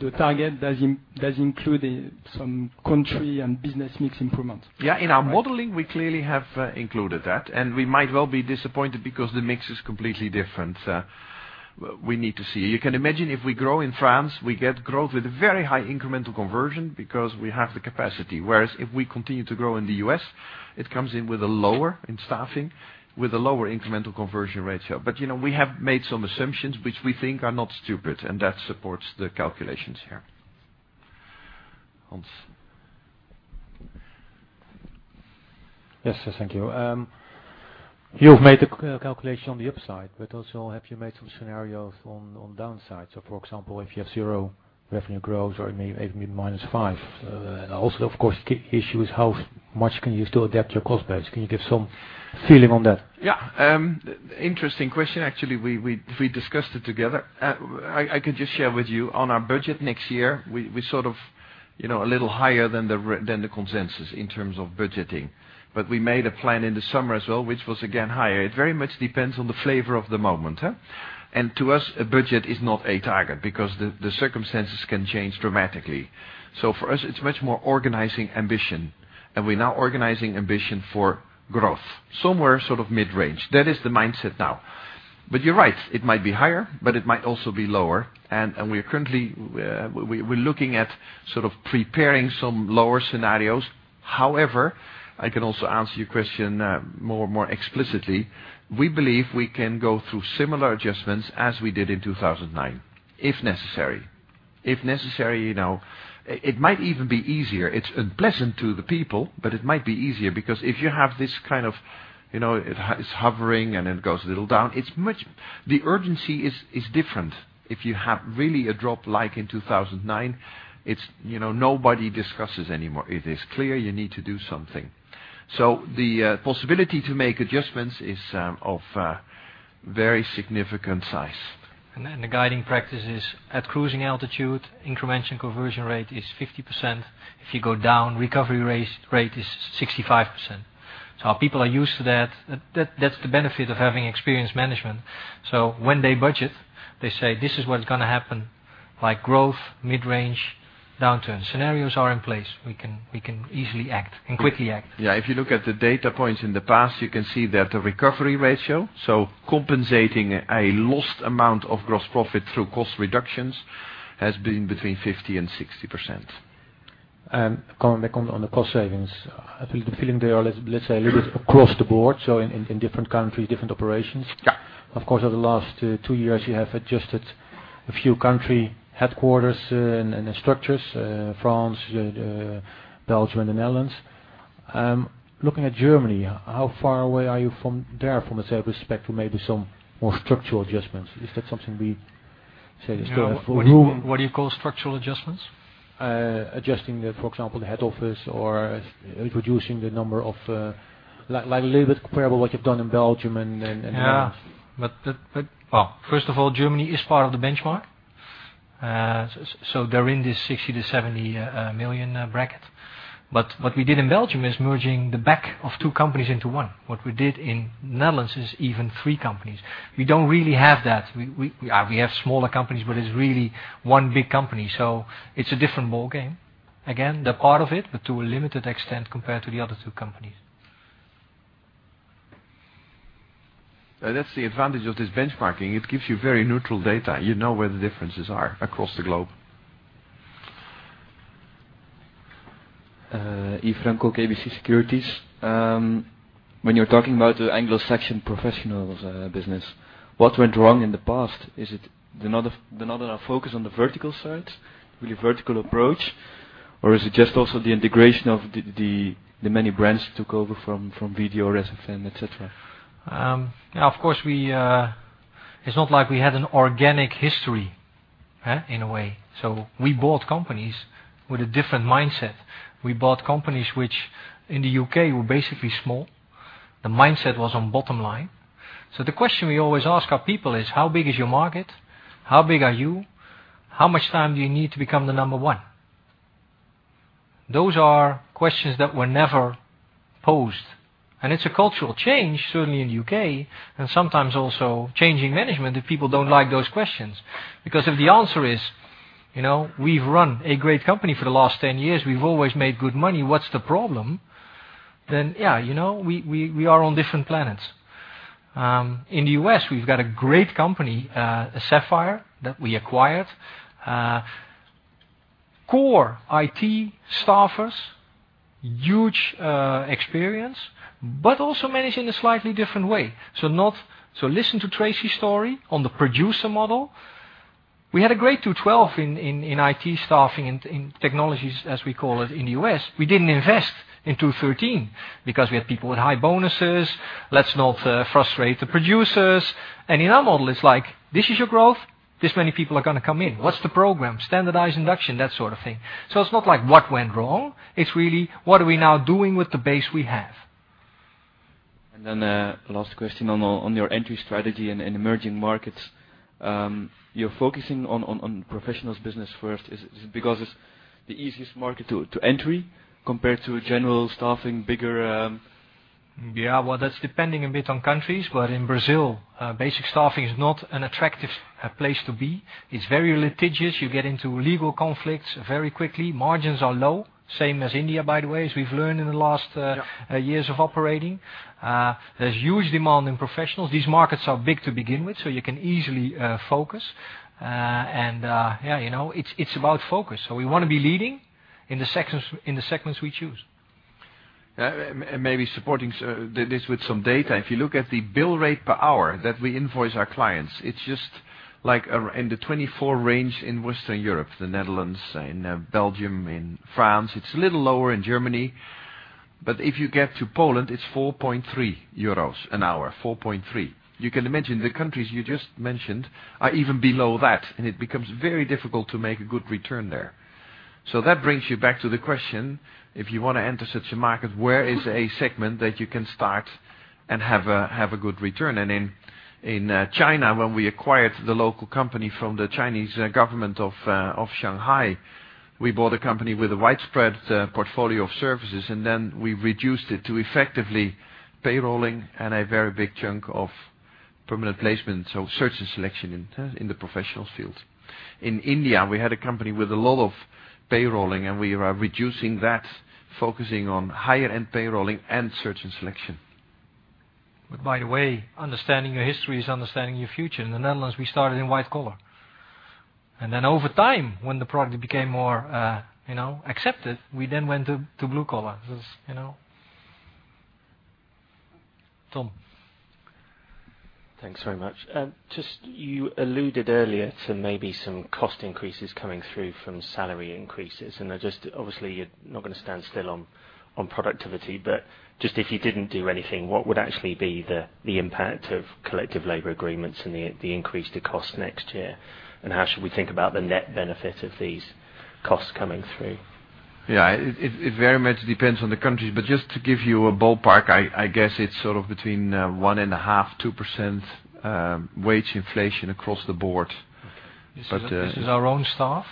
A: Yeah.
I: The target does include some country and business mix improvements?
D: Yeah. In our modeling, we clearly have included that, and we might well be disappointed because the mix is completely different. We need to see. You can imagine if we grow in France, we get growth with very high incremental conversion because we have the capacity. Whereas if we continue to grow in the U.S., it comes in with a lower, in staffing, with a lower incremental conversion ratio. We have made some assumptions which we think are not stupid, and that supports the calculations here. Hans.
J: Yes. Thank you. You've made the calculation on the upside, have you made some scenarios on downside? For example, if you have zero revenue growth or maybe even -5%. Of course, key issue is how much can you still adapt your cost base. Can you give some feeling on that?
D: Interesting question, actually. We discussed it together. I could just share with you on our budget next year, we're sort of a little higher than the consensus in terms of budgeting. We made a plan in the summer as well, which was again, higher. It very much depends on the flavor of the moment. To us, a budget is not a target because the circumstances can change dramatically. For us, it's much more organizing ambition, and we're now organizing ambition for growth somewhere sort of mid-range. That is the mindset now. You're right, it might be higher, but it might also be lower. We're looking at sort of preparing some lower scenarios. However, I can also answer your question more explicitly. We believe we can go through similar adjustments as we did in 2009, if necessary. It might even be easier. It's unpleasant to the people, but it might be easier because if you have it's hovering, and then it goes a little down. The urgency is different. If you have really a drop like in 2009, nobody discusses anymore. It is clear you need to do something. The possibility to make adjustments is of very significant size.
A: The guiding practice is at cruising altitude, incremental conversion ratio is 50%. If you go down, recovery rate is 65%. Our people are used to that. That's the benefit of having experienced management. When they budget, they say, "This is what's going to happen, like growth, mid-range, downturn." Scenarios are in place. We can easily act and quickly act.
D: Yeah. If you look at the data points in the past, you can see that the recovery ratio, so compensating a lost amount of gross profit through cost reductions, has been between 50% and 60%.
J: Coming back on the cost savings. I believe the feeling they are, let's say, a little bit across the board, so in different countries, different operations.
D: Yeah.
J: Of course, over the last two years, you have adjusted a few country headquarters and structures, France, Belgium, and the Netherlands. Looking at Germany, how far away are you from there from a respect to maybe some more structural adjustments? Is that something we say let's go for-
A: What do you call structural adjustments?
J: Adjusting, for example, the head office or reducing the number of, a little bit comparable what you've done in Belgium.
A: Yeah. Well, first of all, Germany is part of the benchmark. They're in this 60 million to 70 million bracket. What we did in Belgium is merging the back of two companies into one. What we did in Netherlands is even three companies. We don't really have that. We have smaller companies, but it's really one big company. It's a different ballgame. Again, they're part of it, but to a limited extent compared to the other two companies.
D: That's the advantage of this benchmarking. It gives you very neutral data. You know where the differences are across the globe.
K: Yves Franco, KBC Securities. When you're talking about the Anglo-Saxon professionals business, what went wrong in the past? Is it not enough focus on the vertical side, really vertical approach? Is it just also the integration of the many brands you took over from Vedior, Resumé, et cetera?
A: Of course, it's not like we had an organic history in a way. We bought companies with a different mindset. We bought companies which in the U.K. were basically small. The mindset was on bottom line. The question we always ask our people is, how big is your market? How big are you? How much time do you need to become the number one? Those are questions that were never posed, and it's a cultural change, certainly in the U.K., and sometimes also changing management if people don't like those questions. Because if the answer is, "We've run a great company for the last 10 years. We've always made good money. What's the problem?" Then, yeah, we are on different planets. In the U.S., we've got a great company, Sapphire, that we acquired. Core IT staffers, huge experience, but also managed in a slightly different way. Listen to Tracy's story on the producer model. We had a great 2012 in IT staffing and in technologies, as we call it, in the U.S. We didn't invest in 2013 because we had people with high bonuses. Let's not frustrate the producers. In our model, it's like, "This is your growth, this many people are going to come in. What's the program?" Standardized induction, that sort of thing. It's not like what went wrong. It's really, what are we now doing with the base we have?
K: Last question on your entry strategy in emerging markets. You're focusing on professionals business first. Is it because it's the easiest market to entry compared to general staffing, bigger-
A: That's depending a bit on countries, but in Brazil, basic staffing is not an attractive place to be. It's very litigious. You get into legal conflicts very quickly. Margins are low, same as India, by the way, as we've learned in the last-
K: Yeah
A: years of operating. There's huge demand in professionals. These markets are big to begin with, you can easily focus. Yeah, it's about focus. We want to be leading in the segments we choose.
D: Maybe supporting this with some data. If you look at the bill rate per hour that we invoice our clients, it's just like in the 24 range in Western Europe, the Netherlands, in Belgium, in France. It's a little lower in Germany. If you get to Poland, it's 4.3 euros an hour, 4.3. You can imagine the countries you just mentioned are even below that, and it becomes very difficult to make a good return there. That brings you back to the question, if you want to enter such a market, where is a segment that you can start and have a good return? In China, when we acquired the local company from the Chinese government of Shanghai, we bought a company with a widespread portfolio of services, we reduced it to effectively payrolling and a very big chunk of permanent placement, so search and selection in the professional field. In India, we had a company with a lot of payrolling, we are reducing that, focusing on higher-end payrolling and search and selection.
A: By the way, understanding your history is understanding your future. In the Netherlands, we started in white collar. Over time, when the product became more accepted, we went to blue collar. Tom.
L: Thanks very much. You alluded earlier to maybe some cost increases coming through from salary increases. Obviously you're not going to stand still on productivity, if you didn't do anything, what would actually be the impact of collective labor agreements and the increase to cost next year? How should we think about the net benefit of these costs coming through?
D: Yeah. It very much depends on the countries, just to give you a ballpark, I guess it's sort of between 1.5%-2% wage inflation across the board.
A: This is our own staff.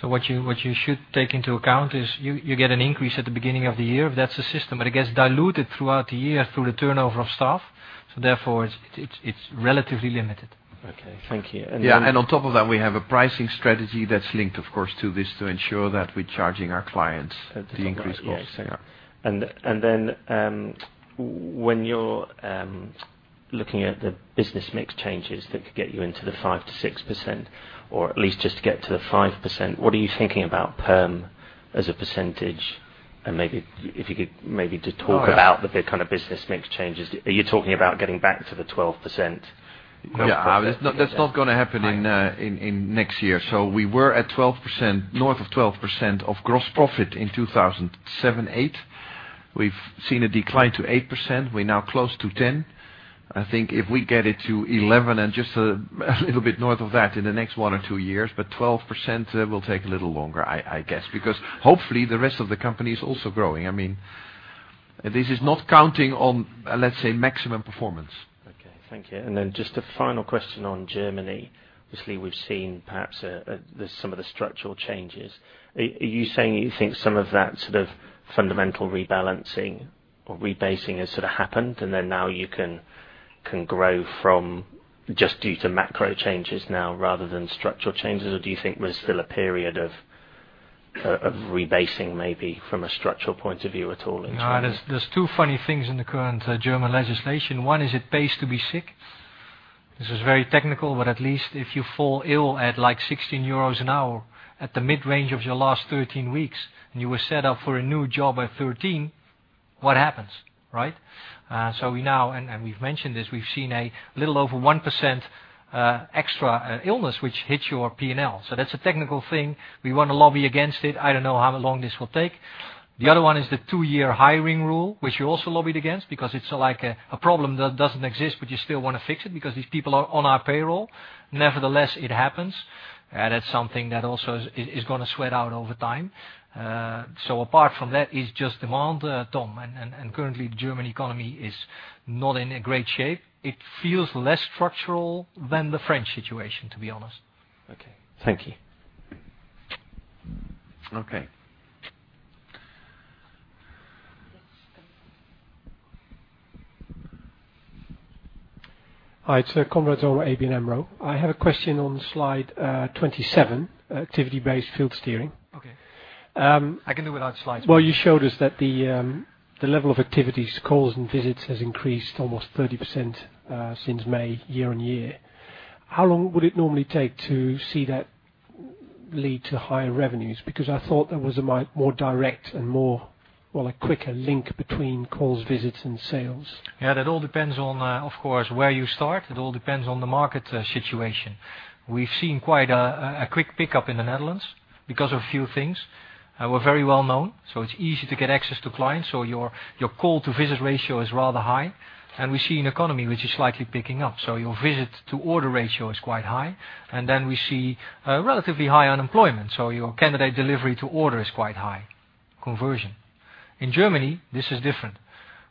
A: What you should take into account is you get an increase at the beginning of the year. That's the system. It gets diluted throughout the year through the turnover of staff. Therefore, it's relatively limited.
L: Okay. Thank you.
D: Yeah, on top of that, we have a pricing strategy that's linked, of course, to this to ensure that we're charging our clients the increased costs.
L: Yeah.
D: Yeah.
L: When you're looking at the business mix changes that could get you into the 5%-6%, or at least just to get to the 5%, what are you thinking about perm as a percentage? Maybe if you could just talk about the kind of business mix changes. Are you talking about getting back to the 12% gross profit?
D: Yeah. That's not going to happen in next year. We were at 12%, north of 12% of gross profit in 2007, 2008. We've seen a decline to 8%. We're now close to 10. I think if we get it to 11 and just a little bit north of that in the next one or two years, 12% will take a little longer, I guess, because hopefully the rest of the company is also growing. This is not counting on, let's say, maximum performance.
L: Okay. Thank you. Just a final question on Germany. Obviously, we've seen perhaps some of the structural changes. Are you saying you think some of that sort of fundamental rebalancing or rebasing has sort of happened, now you can grow from just due to macro changes now rather than structural changes? Do you think there's still a period of rebasing, maybe, from a structural point of view at all in Germany?
A: There's 2 funny things in the current German legislation. One is it pays to be sick. This is very technical, but at least if you fall ill at like 16 euros an hour at the mid-range of your last 13 weeks, and you were set up for a new job at 13, what happens, right? We now, and we've mentioned this, we've seen a little over 1% extra illness, which hits your P&L. That's a technical thing. We want to lobby against it. I don't know how long this will take. The other one is the 2-year hiring rule, which we also lobbied against because it's like a problem that doesn't exist, but you still want to fix it because these people are on our payroll. Nevertheless, it happens. That's something that also is going to sweat out over time. Apart from that, it's just demand, Tom. Currently, German economy is not in a great shape. It feels less structural than the French situation, to be honest.
L: Okay. Thank you.
D: Okay.
K: Yes, come.
M: Hi, it's Conrad from ABN AMRO. I have a question on slide 27, activity-based field steering.
A: Okay. I can do without slides.
M: Well, you showed us that the level of activities, calls, and visits has increased almost 30% since May, year-over-year. How long would it normally take to see that lead to higher revenues? I thought there was a more direct and quicker link between calls, visits, and sales.
A: Yeah, that all depends on, of course, where you start. It all depends on the market situation. We've seen quite a quick pickup in the Netherlands because of a few things. We're very well known, it's easy to get access to clients. Your call-to-visit ratio is rather high. We see an economy which is slightly picking up. Your visit-to-order ratio is quite high. We see relatively high unemployment. Your candidate delivery to order is quite high, conversion. In Germany, this is different.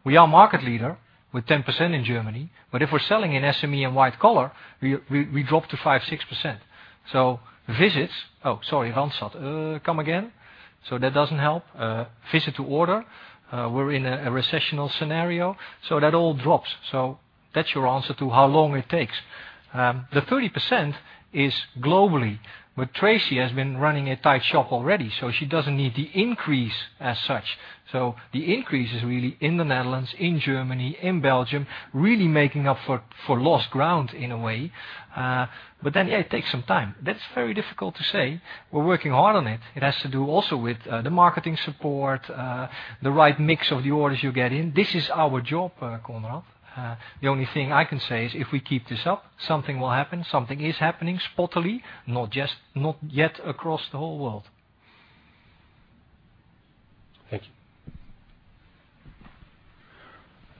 A: We are market leader with 10% in Germany, if we're selling in SME and white collar, we drop to 5%, 6%. Visits Oh, sorry, Randstad. Come again. That doesn't help. Visit to order, we're in a recessional scenario. That all drops. That's your answer to how long it takes. The 30% is globally. Tracy has been running a tight shop already, so she doesn't need the increase as such. The increase is really in the Netherlands, in Germany, in Belgium, really making up for lost ground in a way. Yeah, it takes some time. That's very difficult to say. We're working hard on it. It has to do also with the marketing support, the right mix of the orders you get in. This is our job, Konrad. The only thing I can say is if we keep this up, something will happen. Something is happening spotily, not yet across the whole world.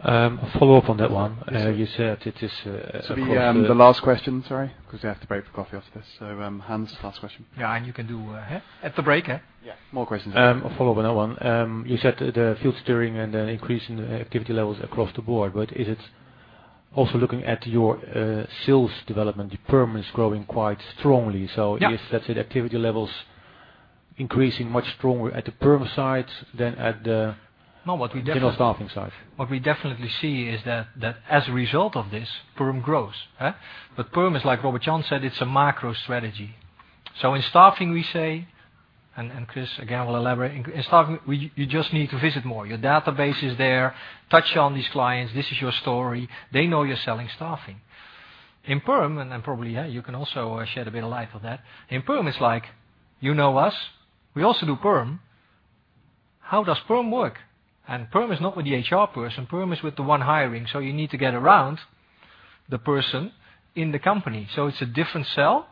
M: Thank you.
J: A follow-up on that one. You said it is-
G: The last question, sorry, because we have to break for coffee after this. Hans, last question.
A: Yeah, you can do at the break.
G: Yeah. More questions after.
J: A follow-up on that one. You said the field steering and an increase in the activity levels across the board, is it also looking at your sales development, the perm is growing quite strongly?
A: Yeah.
J: Is that activity levels increasing much stronger at the perm side than at the
A: No, what we definitely
J: general staffing side?
A: What we definitely see is that as a result of this, perm grows. Perm is like Robert-Jan said, it's a macro strategy. In staffing, we say, and Chris, again, will elaborate. In staffing, you just need to visit more. Your database is there, touch on these clients. This is your story. They know you're selling staffing. In perm, probably, you can also shed a bit of light on that. In perm, it's like, you know us. We also do perm. How does perm work? Perm is not with the HR person, perm is with the one hiring. You need to get around the person in the company. It's a different sell.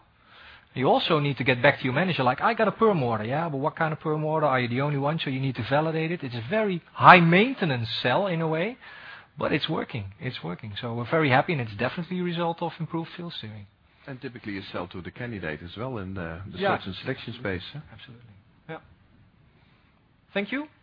A: You also need to get back to your manager, like, "I got a perm order." "Yeah, what kind of perm order? Are you the only one?" You need to validate it. It's a very high-maintenance sell in a way, but it's working. We're very happy, and it's definitely a result of improved field steering.
J: Typically you sell to the candidate as well in the
A: Yeah
J: search and selection space.
A: Absolutely. Yeah. Thank you